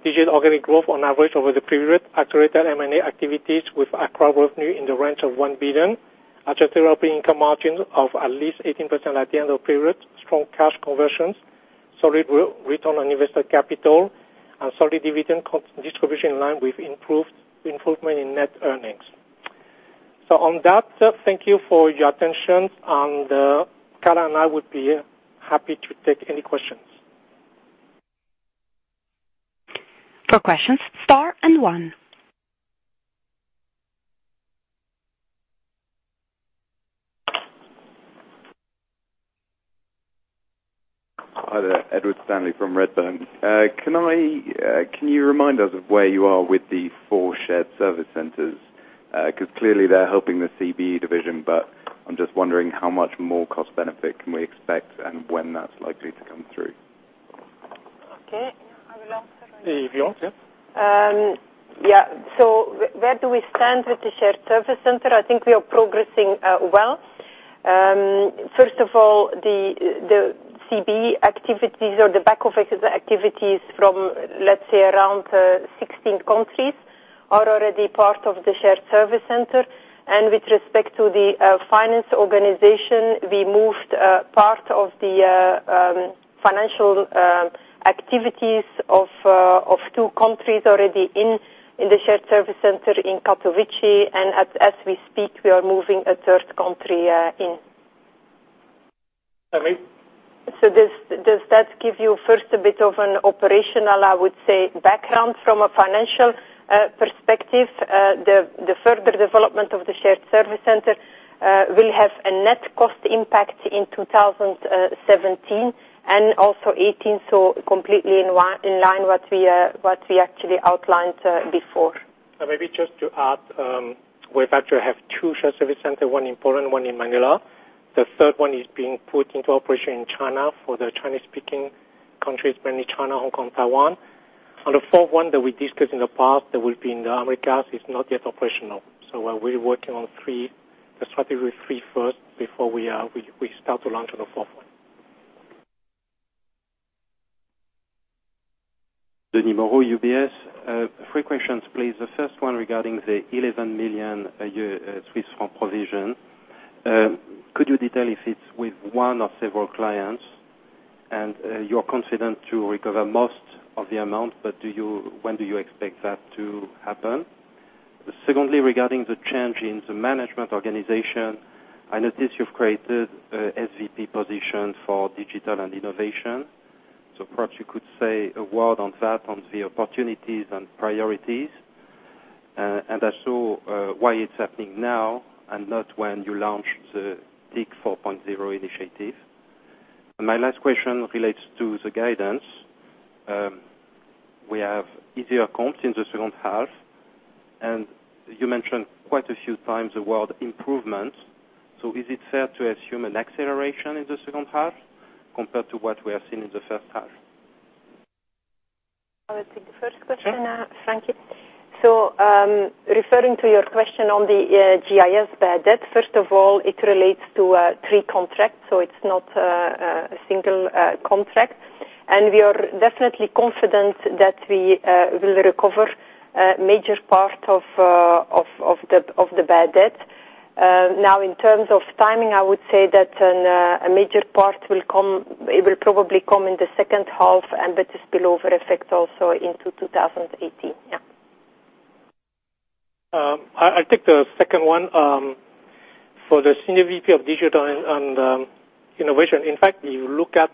digit organic growth on average over the period, accelerated M&A activities with accretive revenue in the range of 1 billion, adjusted operating income margin of at least 18% at the end of period, strong cash conversions, solid return on invested capital, and solid dividend distribution in line with improvement in net earnings. On that, thank you for your attention, and Carla and I would be happy to take any questions. For questions, star and one. Hi there, Edward Lewis from Redburn. Can you remind us of where you are with the four shared service centers? Clearly they're helping the CBE division, but I'm just wondering how much more cost benefit can we expect and when that's likely to come through. Okay. Are we on? Yeah, you're on. Yeah. Yeah. Where do we stand with the shared service center? I think we are progressing well. First of all, the CBE activities or the back-office activities from, let's say, around 16 countries are already part of the shared service center. With respect to the finance organization, we moved part of the financial activities of two countries already in the shared service center in Katowice. As we speak, we are moving a third country in. Sorry? Does that give you first a bit of an operational, I would say, background from a financial perspective? The further development of the shared service center will have a net cost impact in 2017 and also 2018, so completely in line what we actually outlined before. Maybe just to add, we actually have two shared service centers, one in Poland, one in Manila. The third one is being put into operation in China for the Chinese-speaking countries, mainly China, Hong Kong, Taiwan. The fourth one that we discussed in the past that will be in the Americas is not yet operational. We're working on three. Let's start with three first before we start to launch on the fourth one. Rory McKenzie, UBS. Three questions, please. The first one regarding the 11 million a year provision. Could you detail if it's with one or several clients, and you're confident to recover most of the amount, but when do you expect that to happen? Secondly, regarding the change in the management organization, I notice you've created a SVP position for digital and innovation. Perhaps you could say a word on that, on the opportunities and priorities, and also, why it's happening now and not when you launched the Digi 4.0 initiative. My last question relates to the guidance. We have easier comps in the second half, and you mentioned quite a few times the word improvement. Is it fair to assume an acceleration in the second half compared to what we have seen in the first half? I'll take the first question, thank you. Referring to your question on the GIS bad debt, first of all, it relates to three contracts. It's not a single contract. We are definitely confident that we will recover a major part of the bad debt. In terms of timing, I would say that a major part will probably come in the second half, and that is spillover effect also into 2018. I'll take the second one. For the Senior VP of Digital and Innovation. In fact, if you look at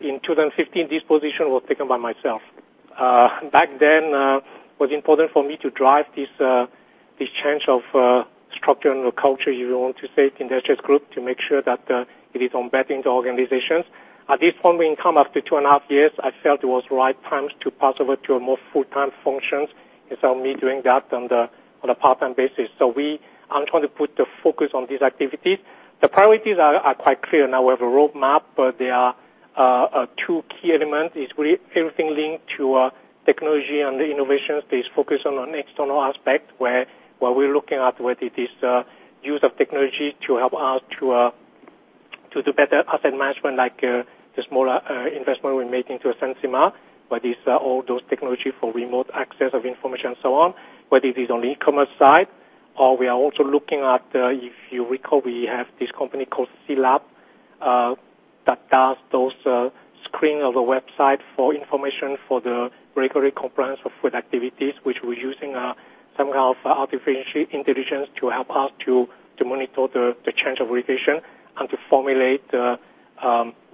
in 2015, this position was taken by myself. Back then, it was important for me to drive this change of structure and the culture, if you want to say, in the SGS group, to make sure that it is embedded into organizations. At this point, we come after two and a half years, I felt it was the right time to pass over to a more full-time function, instead of me doing that on a part-time basis. I'm trying to put the focus on these activities. The priorities are quite clear now. We have a roadmap, but there are two key elements. Everything linked to technology and the innovations is focused on an external aspect, where we're looking at whether it is use of technology to help us to do better asset management, like the smaller investment we made into Sensima. It's all those technology for remote access of information and so on, whether it is on the e-commerce side. We are also looking at, if you recall, we have this company called SILAB, that does those screen of the website for information for the regulatory compliance of food activities, which we're using some kind of artificial intelligence to help us to monitor the change of revision and to formulate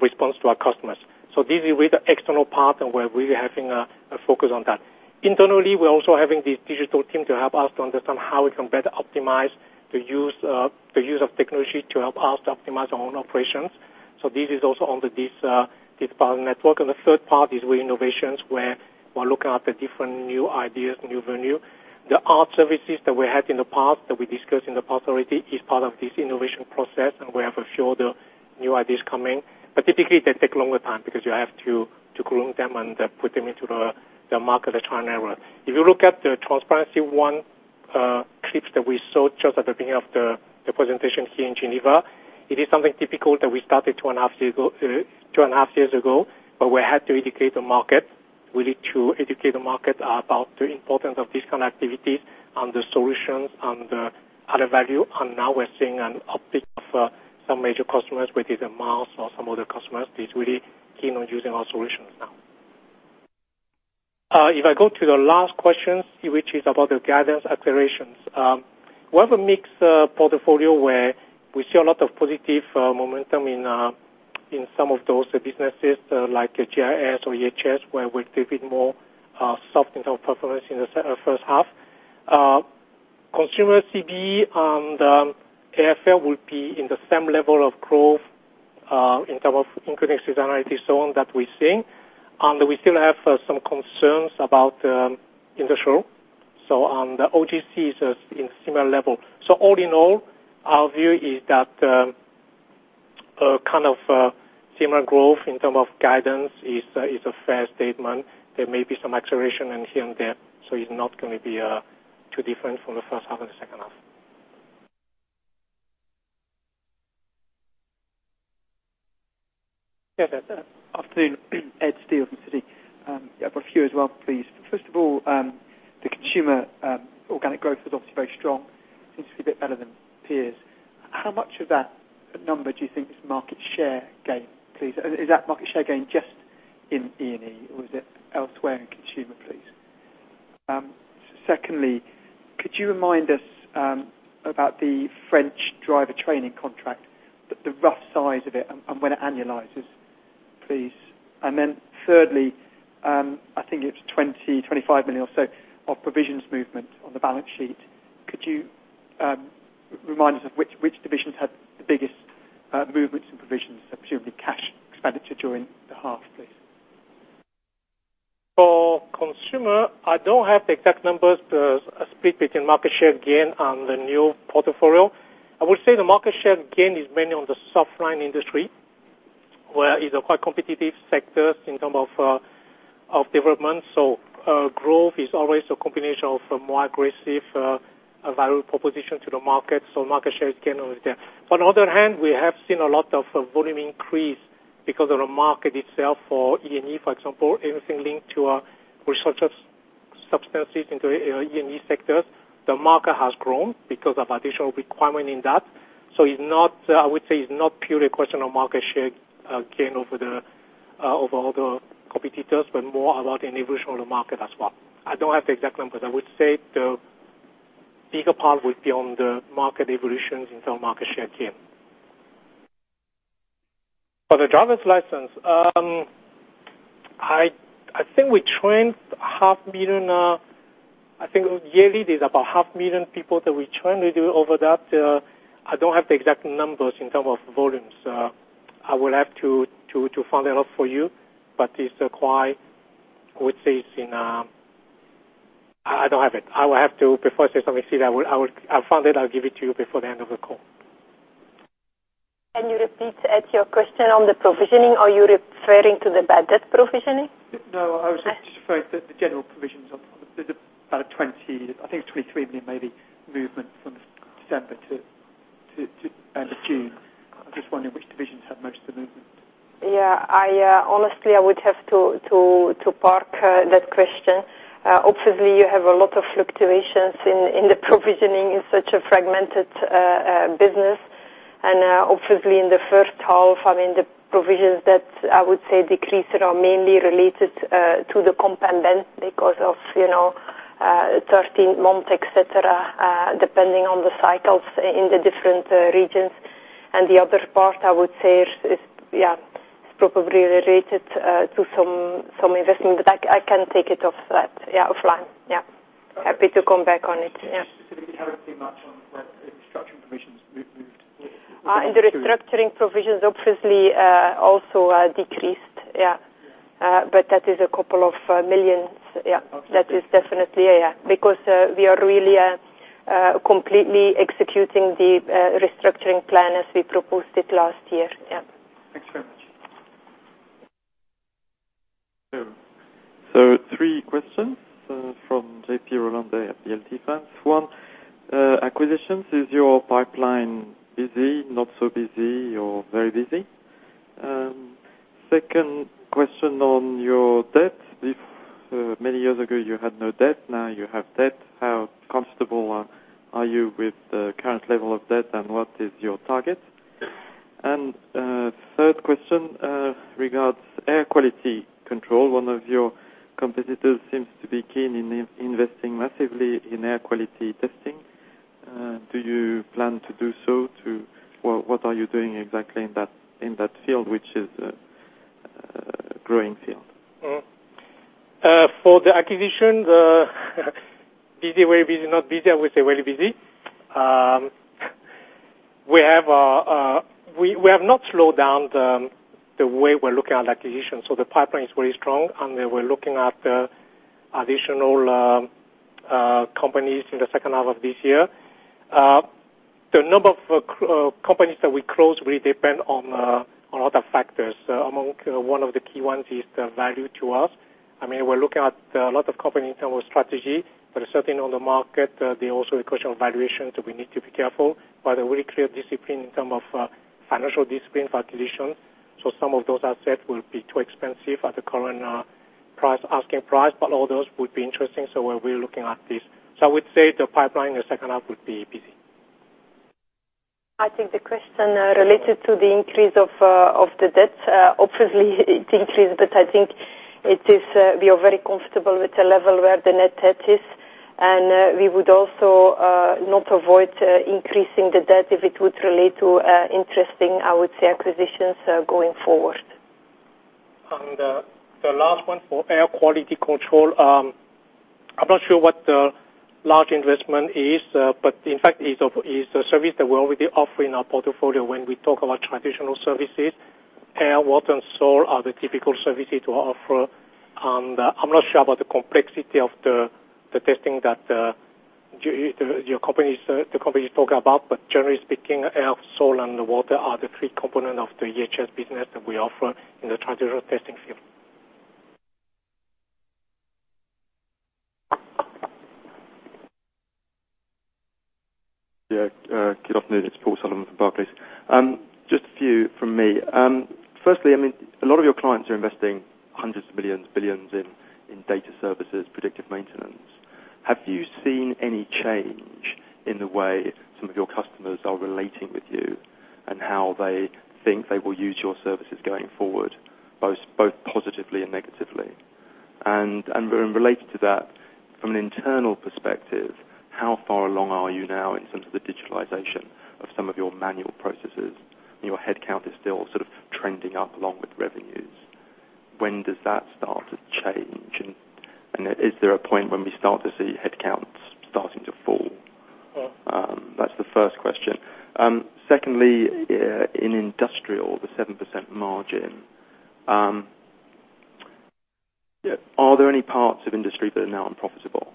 response to our customers. This is with the external part, and we're really having a focus on that. Internally, we're also having this digital team to help us to understand how we can better optimize the use of technology to help us optimize our own operations. This is also under this part of the network. The third part is with innovations, where we're looking at the different new ideas, new venue. The art services that we had in the past, that we discussed in the past already, is part of this innovation process, and we have a few other new ideas coming. Typically, they take a longer time because you have to groom them and put them into the market, the trial and error. If you look at the Transparency-One clips that we saw just at the beginning of the presentation here in Geneva, it is something typical that we started two and a half years ago, but we had to educate the market. We need to educate the market about the importance of this kind of activities and the solutions and the added value. Now we're seeing an uptick of some major customers, whether it's Mars or some other customers, is really keen on using our solutions now. If I go to the last question, which is about the guidance accelerations. We have a mixed portfolio where we see a lot of positive momentum in some of those businesses, like GIS or EHS, where we're giving more soft internal performance in the first half. Consumer CD and AFL will be in the same level of growth in terms of increasing seasonality, so on, that we're seeing. We still have some concerns about industrial. The OGC is in similar level. All in all, our view is that a similar growth in term of guidance is a fair statement. There may be some acceleration here and there, so it's not going to be too different from the first half and the second half. Yes, afternoon. Arthur Truslove from Citi. I've got a few as well, please. First of all, the consumer organic growth was obviously very strong, seems to be a bit better than peers. How much of that number do you think is market share gain, please? Is that market share gain just in E&E or is it elsewhere in consumer, please? Secondly, could you remind us about the French driver training contract, the rough size of it and when it annualizes, please? Thirdly, I think it's 20 million-25 million or so of provisions movement on the balance sheet. Could you remind us of which divisions had the biggest movements and provisions, presumably cash expenditure during the half, please? For consumer, I don't have the exact numbers, the split between market share gain and the new portfolio. I would say the market share gain is mainly on the softline industry, where it's a quite competitive sector in terms of development. Growth is always a combination of a more aggressive value proposition to the market, so market share is gaining over there. On the other hand, we have seen a lot of volume increase because of the market itself for E&E, for example, anything linked to our substances into E&E sectors. The market has grown because of additional requirement in that. I would say it's not purely a question of market share gain over other competitors, but more about the evolution of the market as well. I don't have the exact numbers. I would say the bigger part would be on the market evolutions in terms of market share gain. For the driver's license, I think yearly there's about half million people that we train. With you over that, I don't have the exact numbers in terms of volumes. I will have to find that out for you. I don't have it. Before I say something, I will find it, I'll give it to you before the end of the call. Can you repeat Ed your question on the provisioning? Are you referring to the bad debt provisioning? No, I was just referring to the general provisions of the about 20 million, I think 23 million maybe, movement from December to end of June. I'm just wondering which divisions have most of the movement. Yeah. Honestly, I would have to park that question. Obviously, you have a lot of fluctuations in the provisioning in such a fragmented business. Obviously in the first half, the provisions that I would say decreased are mainly related to the compound debt because of 13-month etc., depending on the cycles in the different regions. The other part I would say is probably related to some investing. I can take it offline. Yeah. Okay. Happy to come back on it. Yeah. Specifically, how much on the restructuring provisions moved? The restructuring provisions obviously also decreased. Yeah. Yeah. That is a couple of million CHF. Yeah. Okay. That is definitely, yeah. We are really completely executing the restructuring plan as we proposed it last year. Yeah. Thanks very much. Three questions from JP Roland at Vontobel. One, acquisitions, is your pipeline busy, not so busy or very busy? Second question on your debt. If many years ago you had no debt, now you have debt, how comfortable are you with the current level of debt, and what is your target? Third question regards air quality control. One of your competitors seems to be keen in investing massively in air quality testing. Do you plan to do so too? What are you doing exactly in that field, which is a growing field? For the acquisition, busy, very busy, not busy, I would say very busy. We have not slowed down the way we are looking at acquisitions, so the pipeline is very strong, and we are looking at additional companies in the second half of this year. The number of companies that we close will depend on a lot of factors. Among one of the key ones is the value to us. We are looking at a lot of companies in terms of strategy, certainly on the market, there is also a question of valuation, so we need to be careful. A very clear discipline in term of financial discipline for acquisition. Some of those assets will be too expensive at the current asking price. All those would be interesting, so we are really looking at this. I would say the pipeline in the second half would be busy. I think the question related to the increase of the debt. Obviously it increased, but I think we are very comfortable with the level where the net debt is. We would also not avoid increasing the debt if it would relate to interesting, I would say, acquisitions going forward. The last one for air quality control. I'm not sure what the large investment is, but in fact, it is a service that we already offer in our portfolio when we talk about traditional services. Air, water, and soil are the typical services we offer. I'm not sure about the complexity of the testing that the company is talking about. Generally speaking, air, soil, and water are the three components of the EHS business that we offer in the traditional testing field. Yeah. Good afternoon. It's Paul Sullivan from Barclays. Just a few from me. Firstly, a lot of your clients are investing hundreds of millions, billions in data services, predictive maintenance. Have you seen any change in the way some of your customers are relating with you, and how they think they will use your services going forward, both positively and negatively? Related to that, from an internal perspective, how far along are you now in terms of the digitalization of some of your manual processes? Your headcount is still sort of trending up along with revenues. When does that start to change, and is there a point when we start to see headcounts starting to fall? That's the first question. Secondly, in industrial, the 7% margin. Are there any parts of industry that are now unprofitable?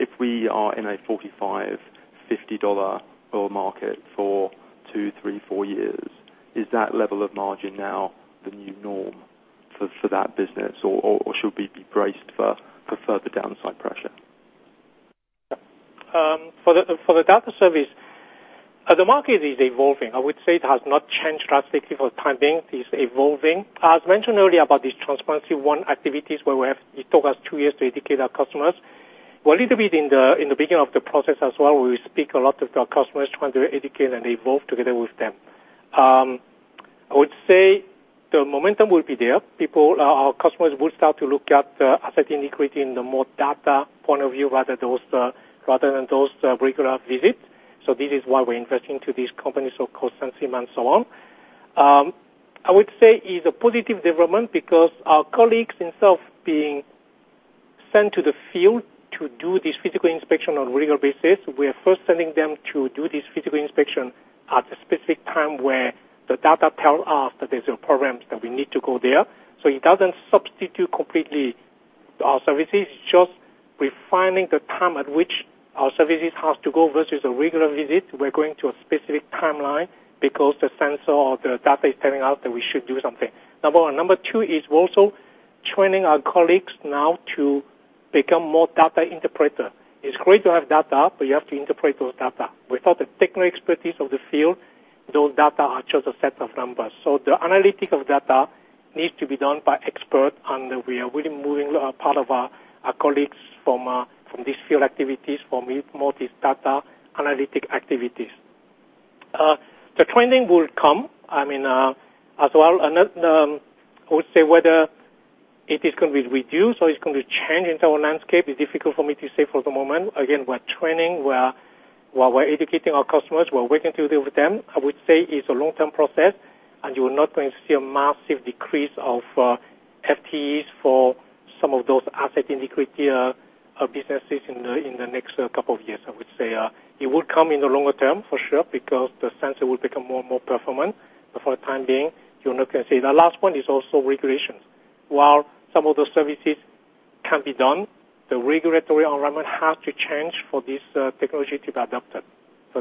If we are in a $45, $50 oil market for two, three, four years, is that level of margin now the new norm? For that business, should we be braced for further downside pressure? For the data service, the market is evolving. I would say it has not changed drastically for the time being. It is evolving. As mentioned earlier about these Transparency-One activities, where it took us two years to educate our customers. We're a little bit in the beginning of the process as well. We speak a lot with our customers, trying to educate and evolve together with them. I would say the momentum will be there. Our customers will start to look at asset integrity in the more data point of view, rather than those regular visits. This is why we're investing to these companies, so Sensima and so on. I would say it's a positive development because our colleagues, instead of being sent to the field to do this physical inspection on a regular basis, we are first sending them to do this physical inspection at a specific time where the data tells us that there's a program that we need to go there. It doesn't substitute completely our services. It's just refining the time at which our services have to go versus a regular visit. We're going to a specific timeline because the sensor or the data is telling us that we should do something. Number one. Number two is we're also training our colleagues now to become more data interpreter. It's great to have data, but you have to interpret those data. Without the technical expertise of the field, those data are just a set of numbers. The analytic of data needs to be done by expert, and we are really moving part of our colleagues from these field activities, for more data analytic activities. The training will come. As well, I would say whether it is going to be reduced or it's going to be change in our landscape, it's difficult for me to say for the moment. Again, we're training, we're educating our customers. We're working through with them. I would say it's a long-term process, and you are not going to see a massive decrease of FTEs for some of those asset integrity businesses in the next couple of years, I would say. It will come in the longer term, for sure, because the sensor will become more and more performant. For the time being, you're not going to see. The last point is also regulations. While some of those services can be done, the regulatory environment has to change for this technology to be adopted.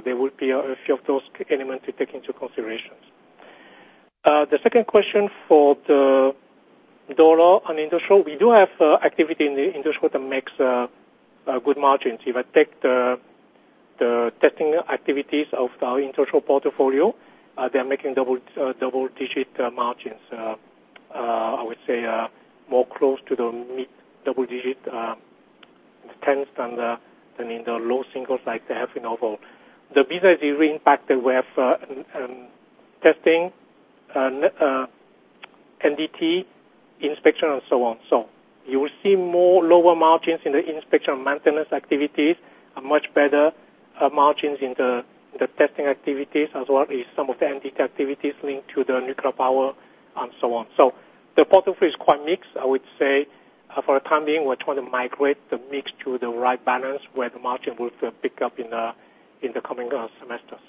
There will be a few of those elements to take into considerations. The second question for the dollar on industrial. We do have activity in the industrial that makes good margins. If I take the testing activities of our industrial portfolio, they are making double-digit margins. I would say more close to the mid double digit, the tens than in the low singles like they have in other. The business is really impacted. We have testing, NDT, inspection and so on. You will see more lower margins in the inspection maintenance activities, and much better margins in the testing activities, as well as some of the NDT activities linked to the nuclear power and so on. The portfolio is quite mixed, I would say. For the time being, we're trying to migrate the mix to the right balance where the margin will pick up in the coming semesters.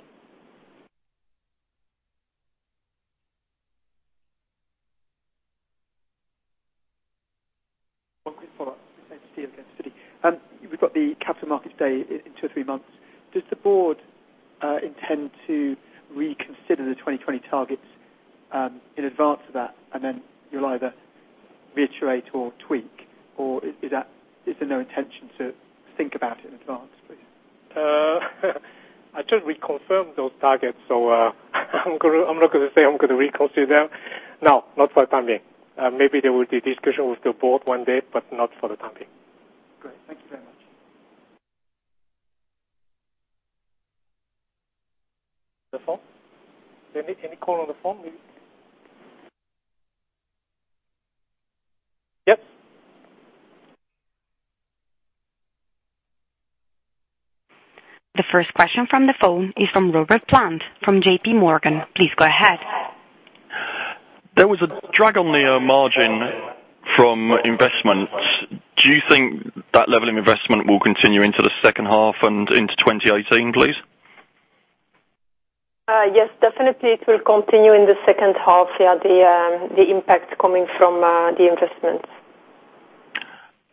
One quick follow-up. It's Arthur again, Citi. You've got the capital market day in two or three months. Does the board intend to reconsider the 2020 targets in advance of that, then you'll either reiterate or tweak? Is there no intention to think about it in advance, please? I just reconfirmed those targets, I'm not going to say I'm going to reconsider. No, not for the time being. Maybe there will be discussion with the board one day, not for the time being. Great. Thank you very much. The phone? Any call on the phone? Yes. The first question from the phone is from Robert Plant from J.P. Morgan. Please go ahead. There was a drag on the margin from investment. Do you think that level of investment will continue into the second half and into 2018, please? Yes, definitely it will continue in the second half. Yeah, the impact coming from the investments.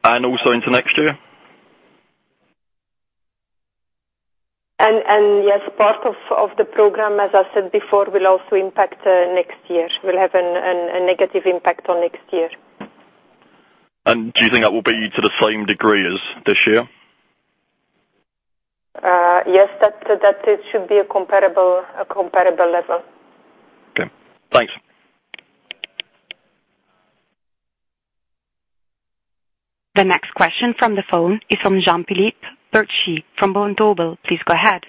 Also into next year? Yes, part of the program, as I said before, will also impact next year. Will have a negative impact on next year. Do you think that will be to the same degree as this year? Yes. That it should be a comparable level. Okay. Thanks. The next question from the phone is from Jean-Philippe Bertschy from Vontobel. Please go ahead.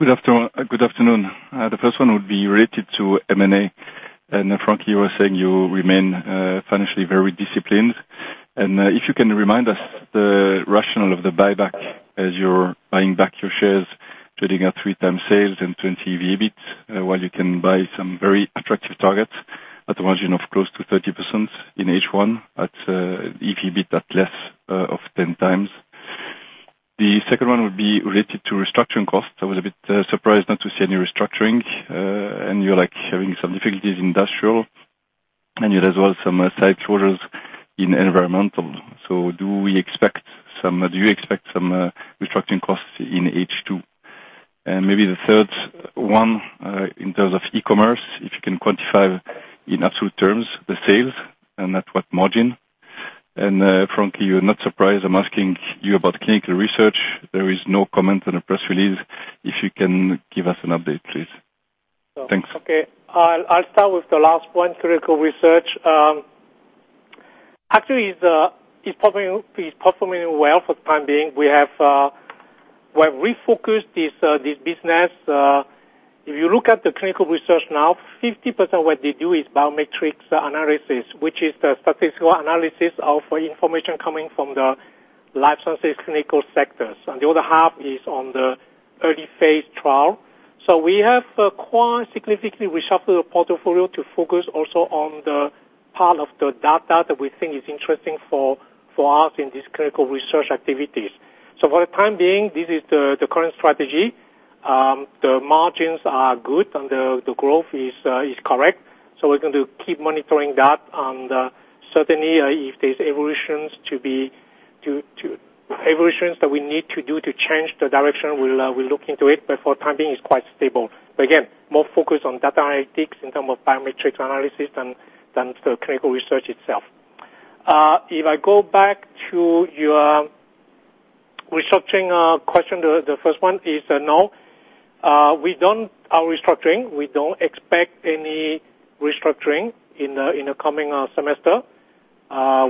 Good afternoon. The first one would be related to M&A. Frankie, you were saying you remain financially very disciplined. If you can remind us the rationale of the buyback as you're buying back your shares, trading at 3 times sales and 20 EBIT, while you can buy some very attractive targets at a margin of close to 30% in H1 at, if you bid that less of 10 times. The second one would be related to restructuring costs. I was a bit surprised not to see any restructuring. You're like having some difficulties in industrial, and you had as well some headwinds in environmental. Do you expect some restructuring costs in H2? Maybe the third one, in terms of e-commerce, if you can quantify in absolute terms the sales and at what margin. Frankie, you're not surprised I'm asking you about clinical research. There is no comment on the press release. If you can give us an update, please. Thanks. Okay. I'll start with the last one, clinical research. Actually, it's performing well for the time being. We have refocused this business. If you look at the clinical research now, 50% of what they do is biometrics analysis, which is the statistical analysis of information coming from the life sciences clinical sectors. The other half is on the early phase trial. We have quite significantly reshuffled the portfolio to focus also on the part of the data that we think is interesting for us in these clinical research activities. For the time being, this is the current strategy. The margins are good and the growth is correct. We're going to keep monitoring that. Certainly, if there's evolutions that we need to do to change the direction, we'll look into it. For the time being, it's quite stable. Again, more focused on data analytics in terms of biometrics analysis than the clinical research itself. If I go back to your restructuring question, the first one is no. We don't are restructuring. We don't expect any restructuring in the coming semester.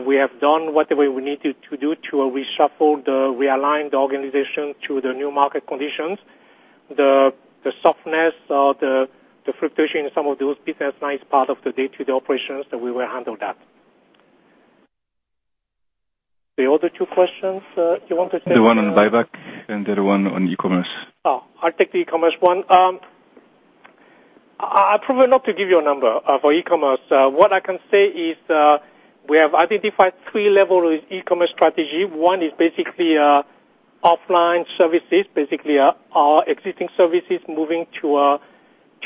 We have done what we needed to do to reshuffle, realign the organization to the new market conditions. The softness or the fluctuation in some of those business lines, part of the day-to-day operations, that we will handle that. The other two questions, do you want to say the. The one on buyback, and the other one on e-commerce. Oh, I'll take the e-commerce one. I'd prefer not to give you a number for e-commerce. What I can say is, we have identified three level of e-commerce strategy. One is basically offline services, basically our existing services moving to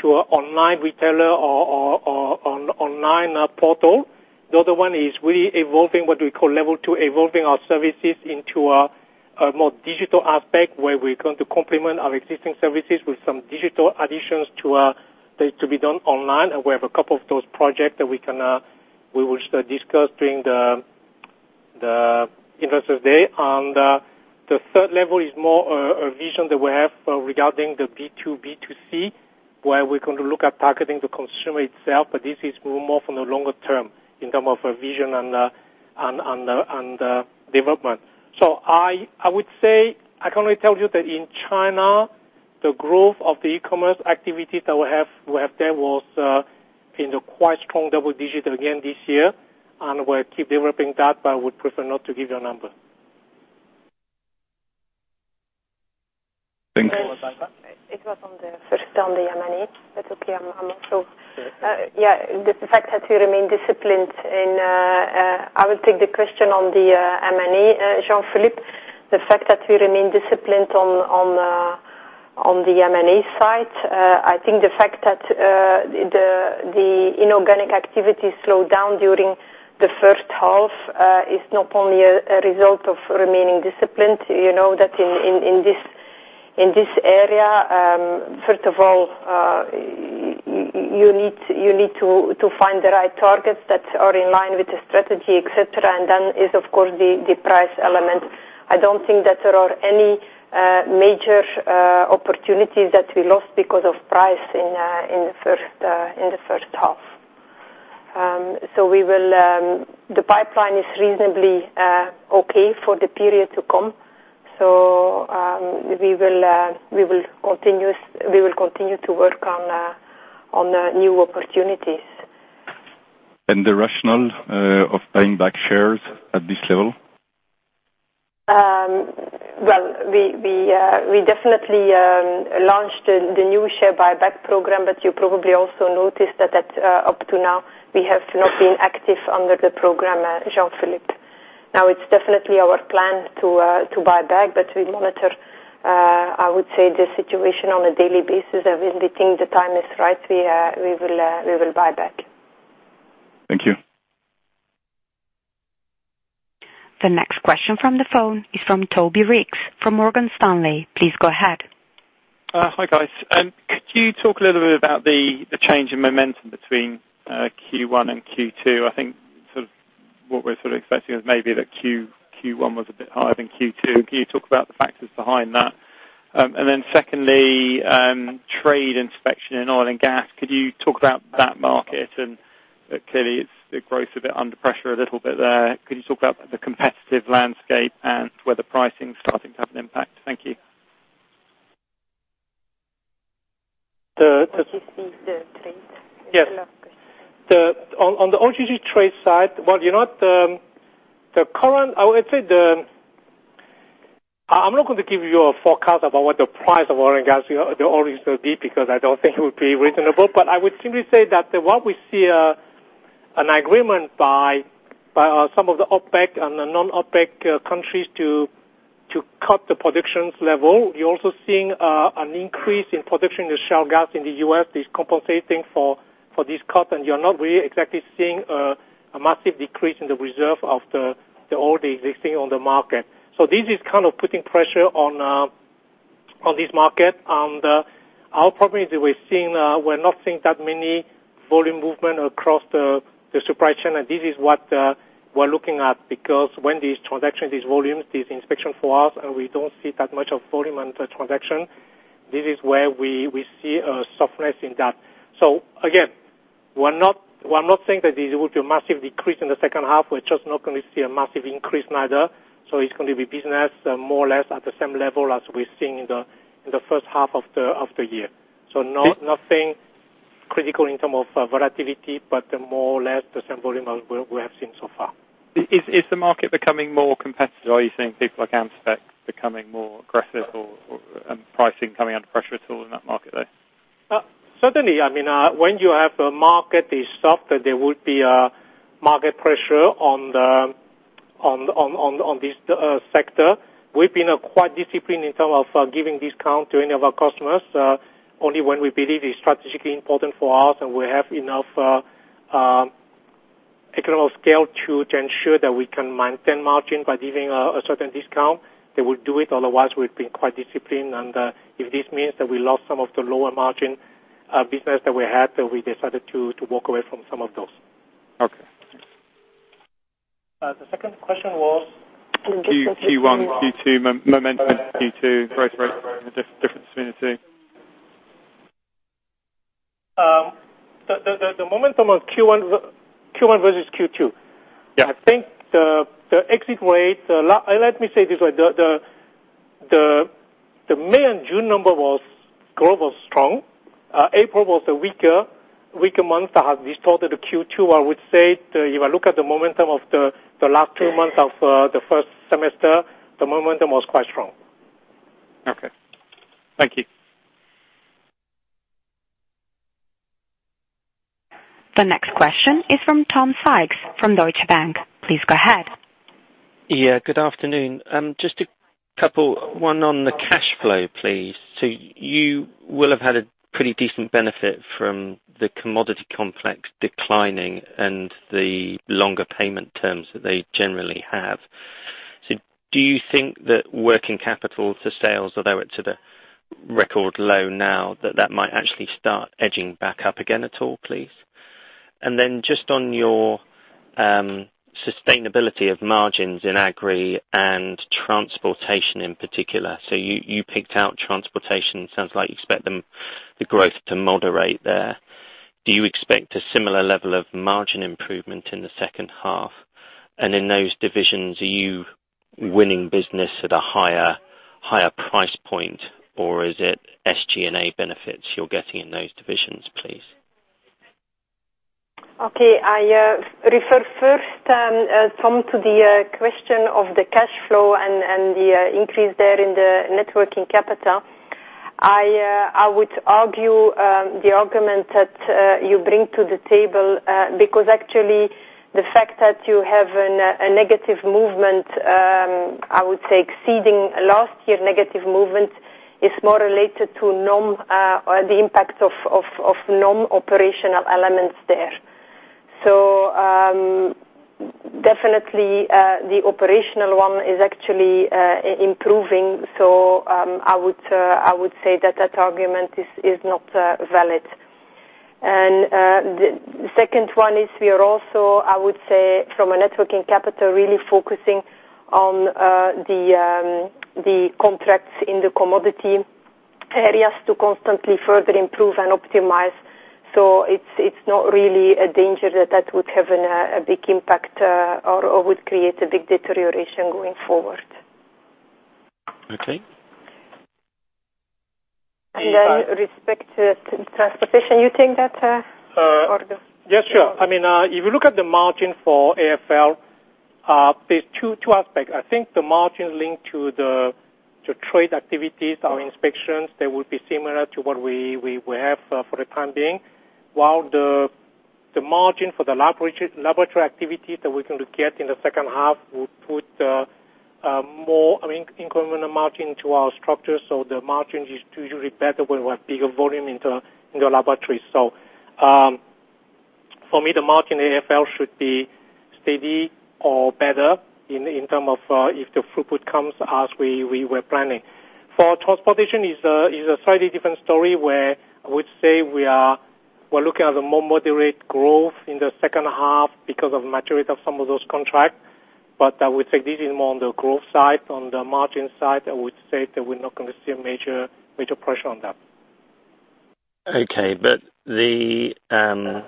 online retailer or online portal. The other one is we evolving what we call level 2, evolving our services into a more digital aspect, where we're going to complement our existing services with some digital additions to be done online. We have a couple of those projects that we will discuss during the Investors Day. The third level is more a vision that we have regarding the B2B2C, where we're going to look at targeting the consumer itself. This is more from the longer term in term of a vision and development. I would say, I can only tell you that in China, the growth of the e-commerce activities that we have there was in the quite strong double digit again this year, and we'll keep developing that, but I would prefer not to give you a number. Thank you. It was on the first, on the M&A. I will take the question on the M&A, Jean-Philippe. The fact that we remain disciplined on the M&A side, I think the fact that the inorganic activity slowed down during the first half is not only a result of remaining disciplined. You know that in this area, first of all, you need to find the right targets that are in line with the strategy, et cetera. Then is, of course, the price element. I don't think that there are any major opportunities that we lost because of price in the first half. The pipeline is reasonably okay for the period to come. We will continue to work on new opportunities. The rationale of buying back shares at this level? We definitely launched the new share buyback program. You probably also noticed that up to now, we have not been active under the program, Jean-Philippe. It's definitely our plan to buy back. We monitor, I would say, the situation on a daily basis. When we think the time is right, we will buy back. Thank you. The next question from the phone is from Toby Reeks from Morgan Stanley. Please go ahead. Hi, guys. Could you talk a little bit about the change in momentum between Q1 and Q2? I think what we're sort of expecting is maybe that Q1 was a bit higher than Q2. Can you talk about the factors behind that? Secondly, trade inspection in oil and gas. Could you talk about that market? Clearly, the growth a bit under pressure a little bit there. Could you talk about the competitive landscape and whether pricing is starting to have an impact? Thank you. What you see is the trade. Yes. On the OGC trade side, I would say I'm not going to give you a forecast about what the price of oil and gas, the oil is going to be, because I don't think it would be reasonable. I would simply say that what we see an agreement by some of the OPEC and the non-OPEC countries to cut the production level. You're also seeing an increase in production of shale gas in the U.S. is compensating for this cut, and you're not really exactly seeing a massive decrease in the reserve of all the existing on the market. This is kind of putting pressure on this market, and our problem is that we're not seeing that many volume movement across the supply chain, and this is what we're looking at. When these transactions, these volumes, these inspections for us, and we don't see that much of volume and transaction, this is where we see a softness in that. Again, we're not saying that this will be a massive decrease in the second half. We're just not going to see a massive increase neither. It's going to be business more or less at the same level as we're seeing in the first half of the year. Nothing critical in terms of volatility, but more or less the same volume we have seen so far. Is the market becoming more competitive? Are you seeing people like AmSpec becoming more aggressive, or pricing coming under pressure at all in that market there? Certainly. When you have a market is soft, there would be market pressure on this sector. We've been quite disciplined in terms of giving discount to any of our customers. Only when we believe it is strategically important for us, and we have enough economic scale to ensure that we can maintain margin by giving a certain discount, then we'll do it. Otherwise, we've been quite disciplined, and if this means that we lost some of the lower margin business that we had, then we decided to walk away from some of those. Okay. The second question was? Q1, Q2 momentum. Q2 growth rate, the difference between the two. The momentum of Q1 versus Q2. Yeah. Let me say it this way, the May and June number growth was strong. April was a weaker month that has distorted the Q2. I would say, if I look at the momentum of the last two months of the first semester, the momentum was quite strong. Okay. Thank you. The next question is from Tom Sykes from Deutsche Bank. Please go ahead. Good afternoon. Just a couple. One on the cash flow, please. You will have had a pretty decent benefit from the commodity complex declining and the longer payment terms that they generally have. Do you think that working capital to sales, although it's at a record low now, that that might actually start edging back up again at all, please? Then just on your sustainability of margins in Agri and Transportation in particular. You picked out Transportation. Sounds like you expect the growth to moderate there. Do you expect a similar level of margin improvement in the second half? In those divisions, are you winning business at a higher price point, or is it SG&A benefits you're getting in those divisions, please? Okay. I refer first, Tom, to the question of the cash flow and the increase there in the net working capital. I would argue the argument that you bring to the table, because actually, the fact that you have a negative movement, I would say exceeding last year's negative movement is more related to the impact of non-operational elements there. Definitely, the operational one is actually improving. I would say that that argument is not valid. The second one is, we are also, I would say, from a net working capital, really focusing on the contracts in the commodity areas to constantly further improve and optimize. It's not really a danger that that would have a big impact or would create a big deterioration going forward. Okay. Respect to Transportation, Do you think that so? Yeah, sure. If you look at the margin for AFL, there's two aspects. I think the margin linked to the trade activities or inspections, they will be similar to what we have for the time being. While the margin for the laboratory activity that we're going to get in the second half will put more incremental margin to our structure. The margin is usually better when we have bigger volume in the laboratory. For me, the margin in AFL should be steady or better in term of if the throughput comes as we were planning. For Transportation, it's a slightly different story, where I would say we're looking at a more moderate growth in the second half because of maturity of some of those contracts. I would say this is more on the growth side. On the margin side, I would say that we're not going to see a major pressure on that. Okay. The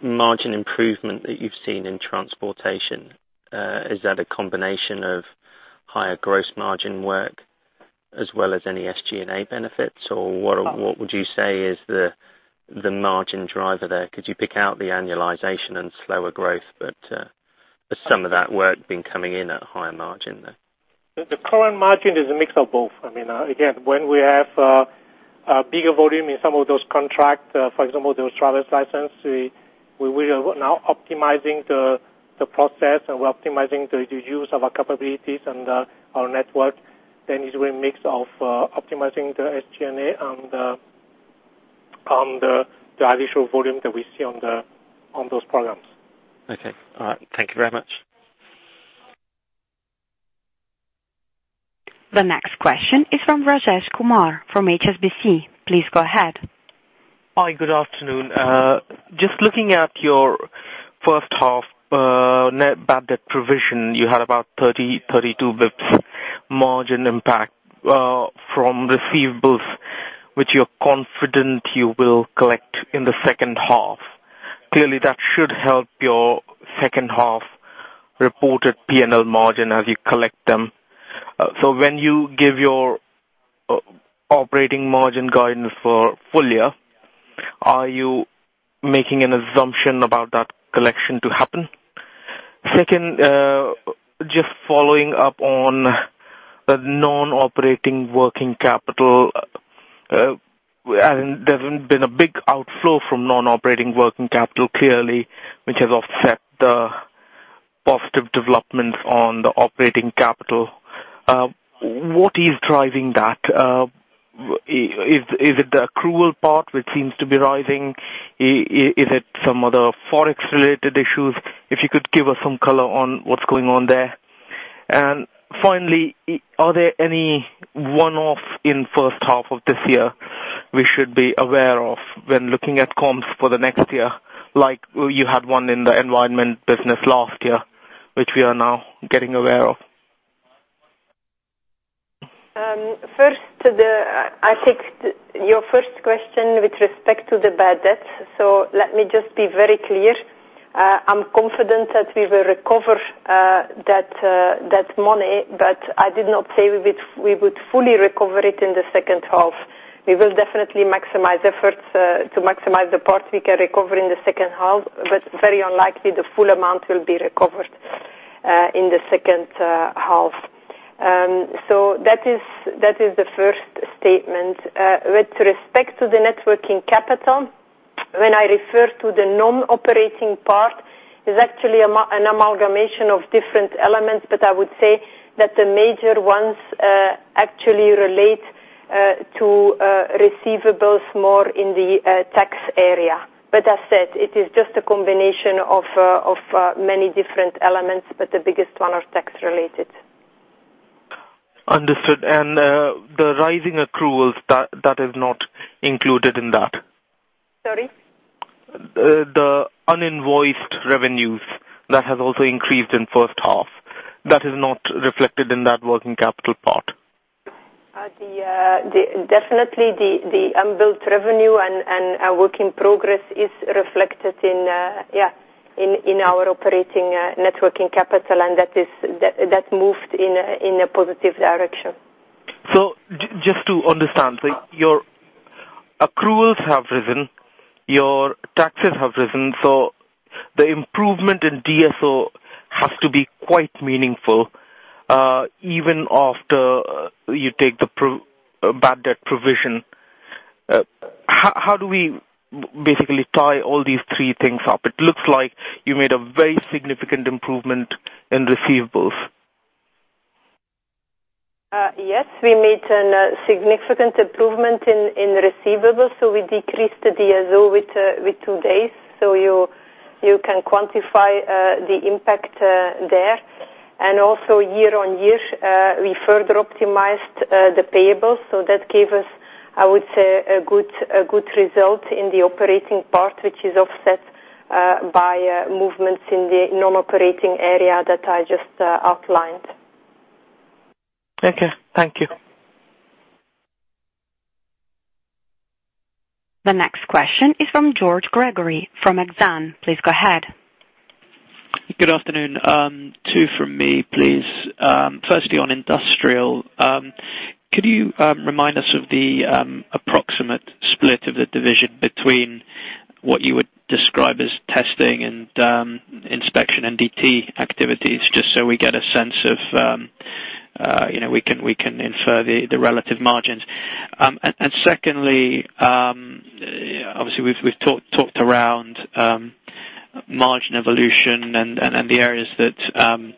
margin improvement that you've seen in Transportation, is that a combination of higher gross margin work as well as any SG&A benefits, or what would you say is the margin driver there? Could you pick out the annualization and slower growth, but has some of that work been coming in at a higher margin there? The current margin is a mix of both. When we have a bigger volume in some of those contracts, for example, those driver's license, we are now optimizing the process and we're optimizing the use of our capabilities and our network. It's a real mix of optimizing the SG&A and the On the high visual volume that we see on those programs. Okay. All right. Thank you very much. The next question is from Rajesh Kumar from HSBC. Please go ahead. Hi, good afternoon. Just looking at your first half net bad debt provision, you had about 30-32 basis points margin impact from receivables, which you're confident you will collect in the second half. Clearly, that should help your second half reported P&L margin as you collect them. When you give your operating margin guidance for full-year, are you making an assumption about that collection to happen? Second, just following up on the non-operating working capital, there's been a big outflow from non-operating working capital, clearly, which has offset the positive developments on the operating capital. What is driving that? Is it the accrual part which seems to be rising? Is it some other Forex-related issues? If you could give us some color on what's going on there. Finally, are there any one-off in first half of this year we should be aware of when looking at comms for the next year, like you had one in the environment business last year, which we are now getting aware of? I'll take your first question with respect to the bad debt. Let me just be very clear. I'm confident that we will recover that money, but I did not say we would fully recover it in the second half. We will definitely maximize efforts to maximize the part we can recover in the second half, but very unlikely the full amount will be recovered in the second half. That is the first statement. With respect to the net working capital, when I refer to the non-operating part, it's actually an amalgamation of different elements, but I would say that the major ones actually relate to receivables more in the tax area. As said, it is just a combination of many different elements, but the biggest one are tax related. Understood. The rising accruals, that is not included in that? Sorry? The uninvoiced revenues that have also increased in first half, that is not reflected in that working capital part. Definitely the unbilled revenue and work in progress is reflected in our operating net working capital, and that moved in a positive direction. Just to understand, so your accruals have risen, your taxes have risen, so the improvement in DSO has to be quite meaningful, even after you take the bad debt provision. How do we basically tie all these three things up? It looks like you made a very significant improvement in receivables. Yes, we made a significant improvement in receivables, so we decreased the DSO with two days. You can quantify the impact there. Also year-on-year, we further optimized the payables, so that gave us, I would say, a good result in the operating part, which is offset by movements in the non-operating area that I just outlined. Okay. Thank you. The next question is from George Gregory from Exane. Please go ahead. Good afternoon. Two from me, please. Firstly, on industrial, could you remind us of the approximate split of the division between what you would describe as testing and inspection NDT activities, just so we get a sense of, we can infer the relative margins. Secondly, obviously we've talked around margin evolution and the areas that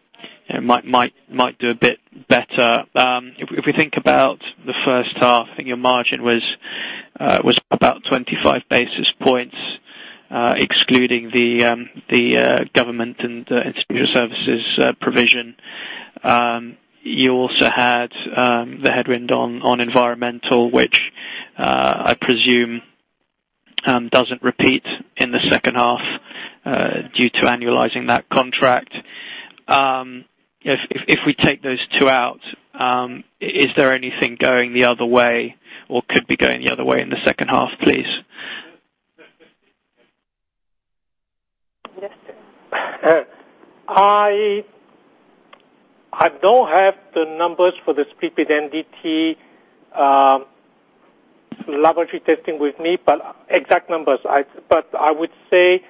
might do a bit better. If we think about the first half, I think your margin was about 25 basis points, excluding the government and the institutional services provision. You also had the headwind on environmental, which I presume doesn't repeat in the second half due to annualizing that contract. If we take those two out, is there anything going the other way or could be going the other way in the second half, please? Yes. I don't have the numbers for the split with NDT laboratory testing with me, exact numbers. I would say,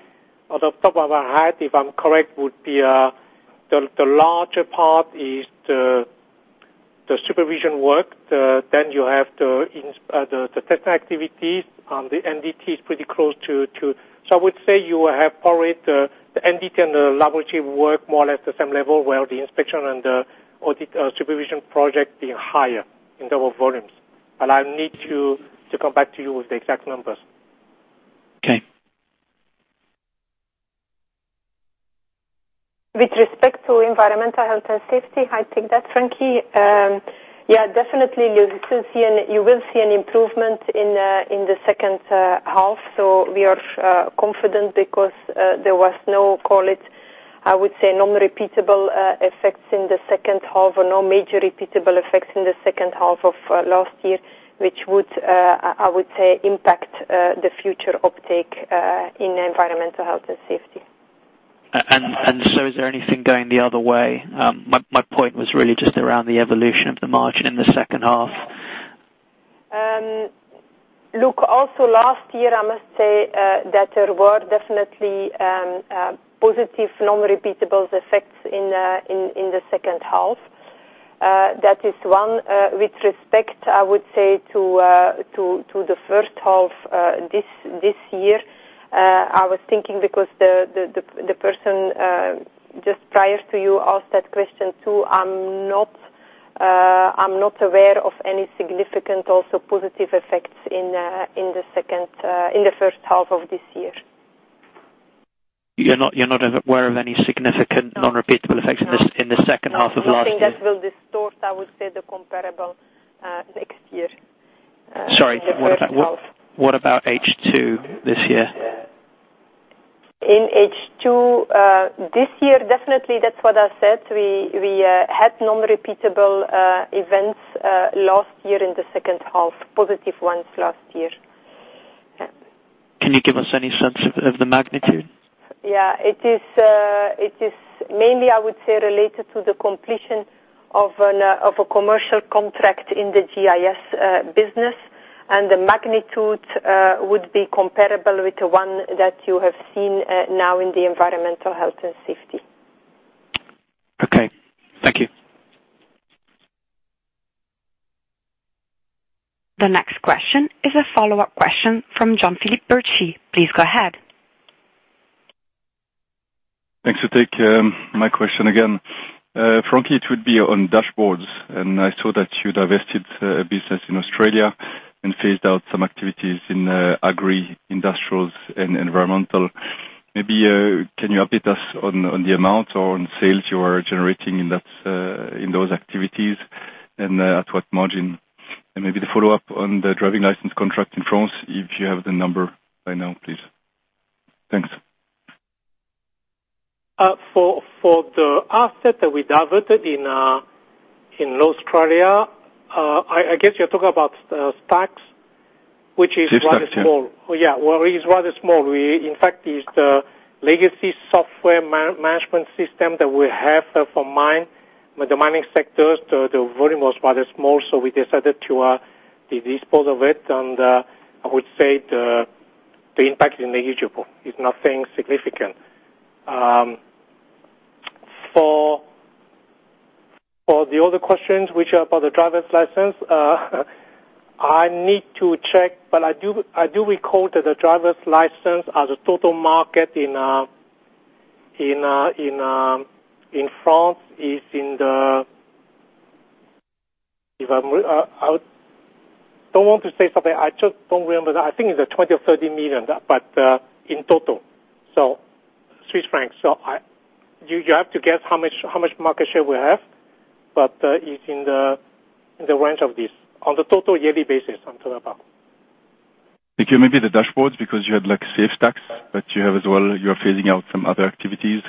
off the top of my head, if I'm correct, would be the larger part is the supervision work. You have the testing activities. The NDT is pretty close too. I would say you have probably the NDT and the laboratory work more or less the same level, where the inspection and the audit supervision project being higher in lower volumes. I need to come back to you with the exact numbers. Okay. With respect to environmental health and safety, I take that, Frankie. Yeah, definitely you will see an improvement in the second half. We are confident because there was no, call it, I would say, non-repeatable effects in the second half or no major repeatable effects in the second half of last year, which would, I would say impact the future uptake in environmental health and safety. Is there anything going the other way? My point was really just around the evolution of the margin in the second half. Look, also last year, I must say that there were definitely positive non-repeatable effects in the second half. That is one with respect, I would say to the first half this year. I was thinking because the person just prior to you asked that question too. I'm not aware of any significant also positive effects in the first half of this year. You're not aware of any significant non-repeatable effects in the second half of last year? Nothing that will distort, I would say the comparable next year. Sorry. What about H2 this year? In H2 this year? Definitely, that's what I said. We had non-repeatable events last year in the second half. Positive ones last year. Yeah. Can you give us any sense of the magnitude? Yeah. It is mainly, I would say related to the completion of a commercial contract in the GIS business, and the magnitude would be comparable with the one that you have seen now in the environmental health and safety. Okay. Thank you. The next question is a follow-up question from Jean-Philippe Bertschy. Please go ahead. Thanks to take my question again. Frankie, it would be on discontinued operations. I saw that you divested a business in Australia and phased out some activities in agri, industrials, and environmental. Maybe can you update us on the amount or on sales you are generating in those activities and at what margin? Maybe the follow-up on the driving license contract in France if you have the number by now, please. Thanks. For the asset that we diverted in Australia, I guess you're talking about Stax. Yes, Stax. Yeah, well, it is rather small. In fact, it's the legacy software management system that we have for mine. With the mining sectors, the volume was rather small, so we decided to dispose of it, and I would say the impact is negligible. It's nothing significant. For the other questions, which are for the driver's license I need to check, but I do recall that the driver's license as a total market in France is in the I don't want to say something, I just don't remember that. I think it's 20 million or 30 million in total. Swiss francs. You have to guess how much market share we have, but it's in the range of this. On the total yearly basis, I'm talking about. Thank you. Maybe the dashboards because you had like safe Stax, but you have as well, you're phasing out some other activities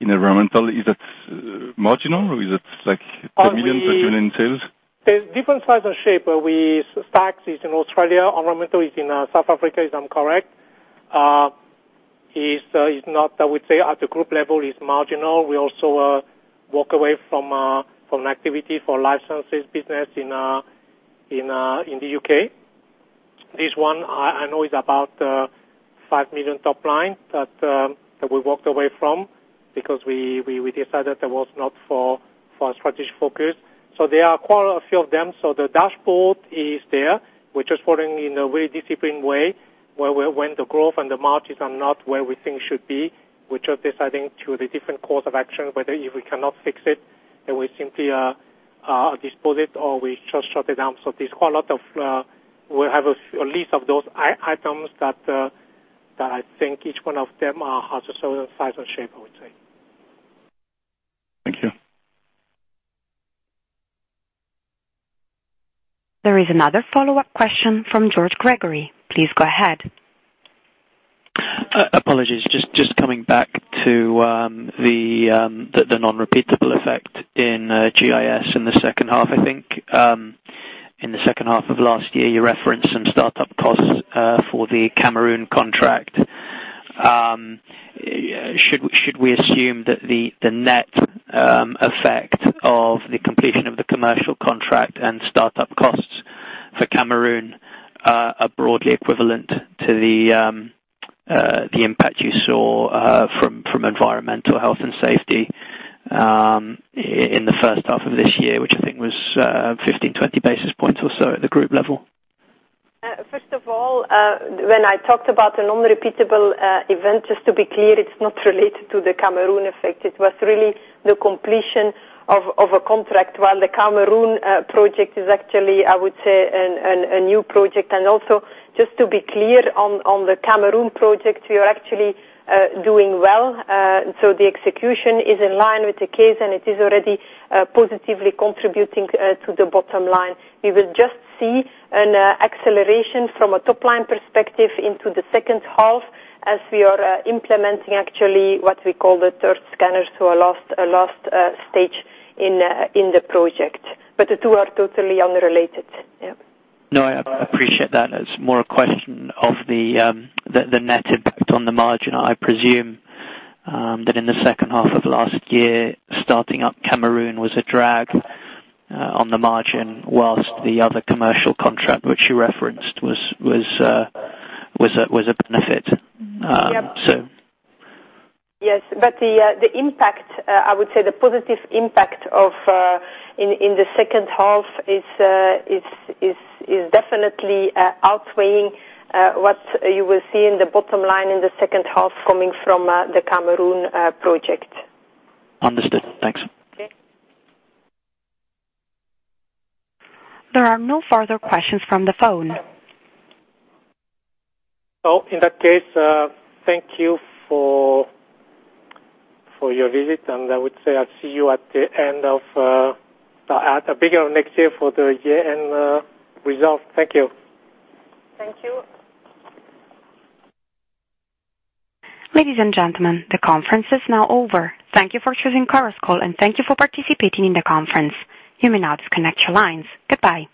in environmental. Is it marginal or is it millions or million in sales? There's different size and shape. Stax is in Australia, Environmental is in South Africa, if I'm correct. It's not, I would say at the group level, it's marginal. We also walk away from an activity for licenses business in the U.K. This one I know is about 5 million top line that we walked away from because we decided that was not for our strategic focus. There are quite a few of them. The dashboard is there. We're just following in a very disciplined way where when the growth and the margins are not where we think should be. We're just deciding to the different course of action, whether if we cannot fix it, then we simply dispose it or we just shut it down. We have a list of those items that I think each one of them has a certain size and shape, I would say. Thank you. There is another follow-up question from George Gregory. Please go ahead. Apologies. Just coming back to the non-repeatable effect in GIS in the second half, I think. In the second half of last year, you referenced some startup costs for the Cameroon contract. Should we assume that the net effect of the completion of the commercial contract and startup costs for Cameroon are broadly equivalent to the impact you saw from environmental health and safety in the first half of this year, which I think was 15, 20 basis points or so at the group level? First of all, when I talked about a non-repeatable event, just to be clear, it's not related to the Cameroon effect. It was really the completion of a contract while the Cameroon project is actually, I would say a new project. Also just to be clear on the Cameroon project, we are actually doing well. The execution is in line with the case and it is already positively contributing to the bottom line. We will just see an acceleration from a top-line perspective into the second half as we are implementing actually what we call the third scanner to a last stage in the project. The two are totally unrelated. Yeah. No, I appreciate that. It's more a question of the net impact on the margin. I presume that in the second half of last year, starting up Cameroon was a drag on the margin whilst the other commercial contract which you referenced was a benefit. Yep. The impact, I would say the positive impact in the second half is definitely outweighing what you will see in the bottom line in the second half coming from the Cameroon project. Understood. Thanks. Okay. There are no further questions from the phone. In that case, thank you for your visit, and I would say I'll see you at the beginning of next year for the year-end result. Thank you. Thank you. Ladies and gentlemen, the conference is now over. Thank you for choosing Chorus Call and thank you for participating in the conference. You may now disconnect your lines. Goodbye.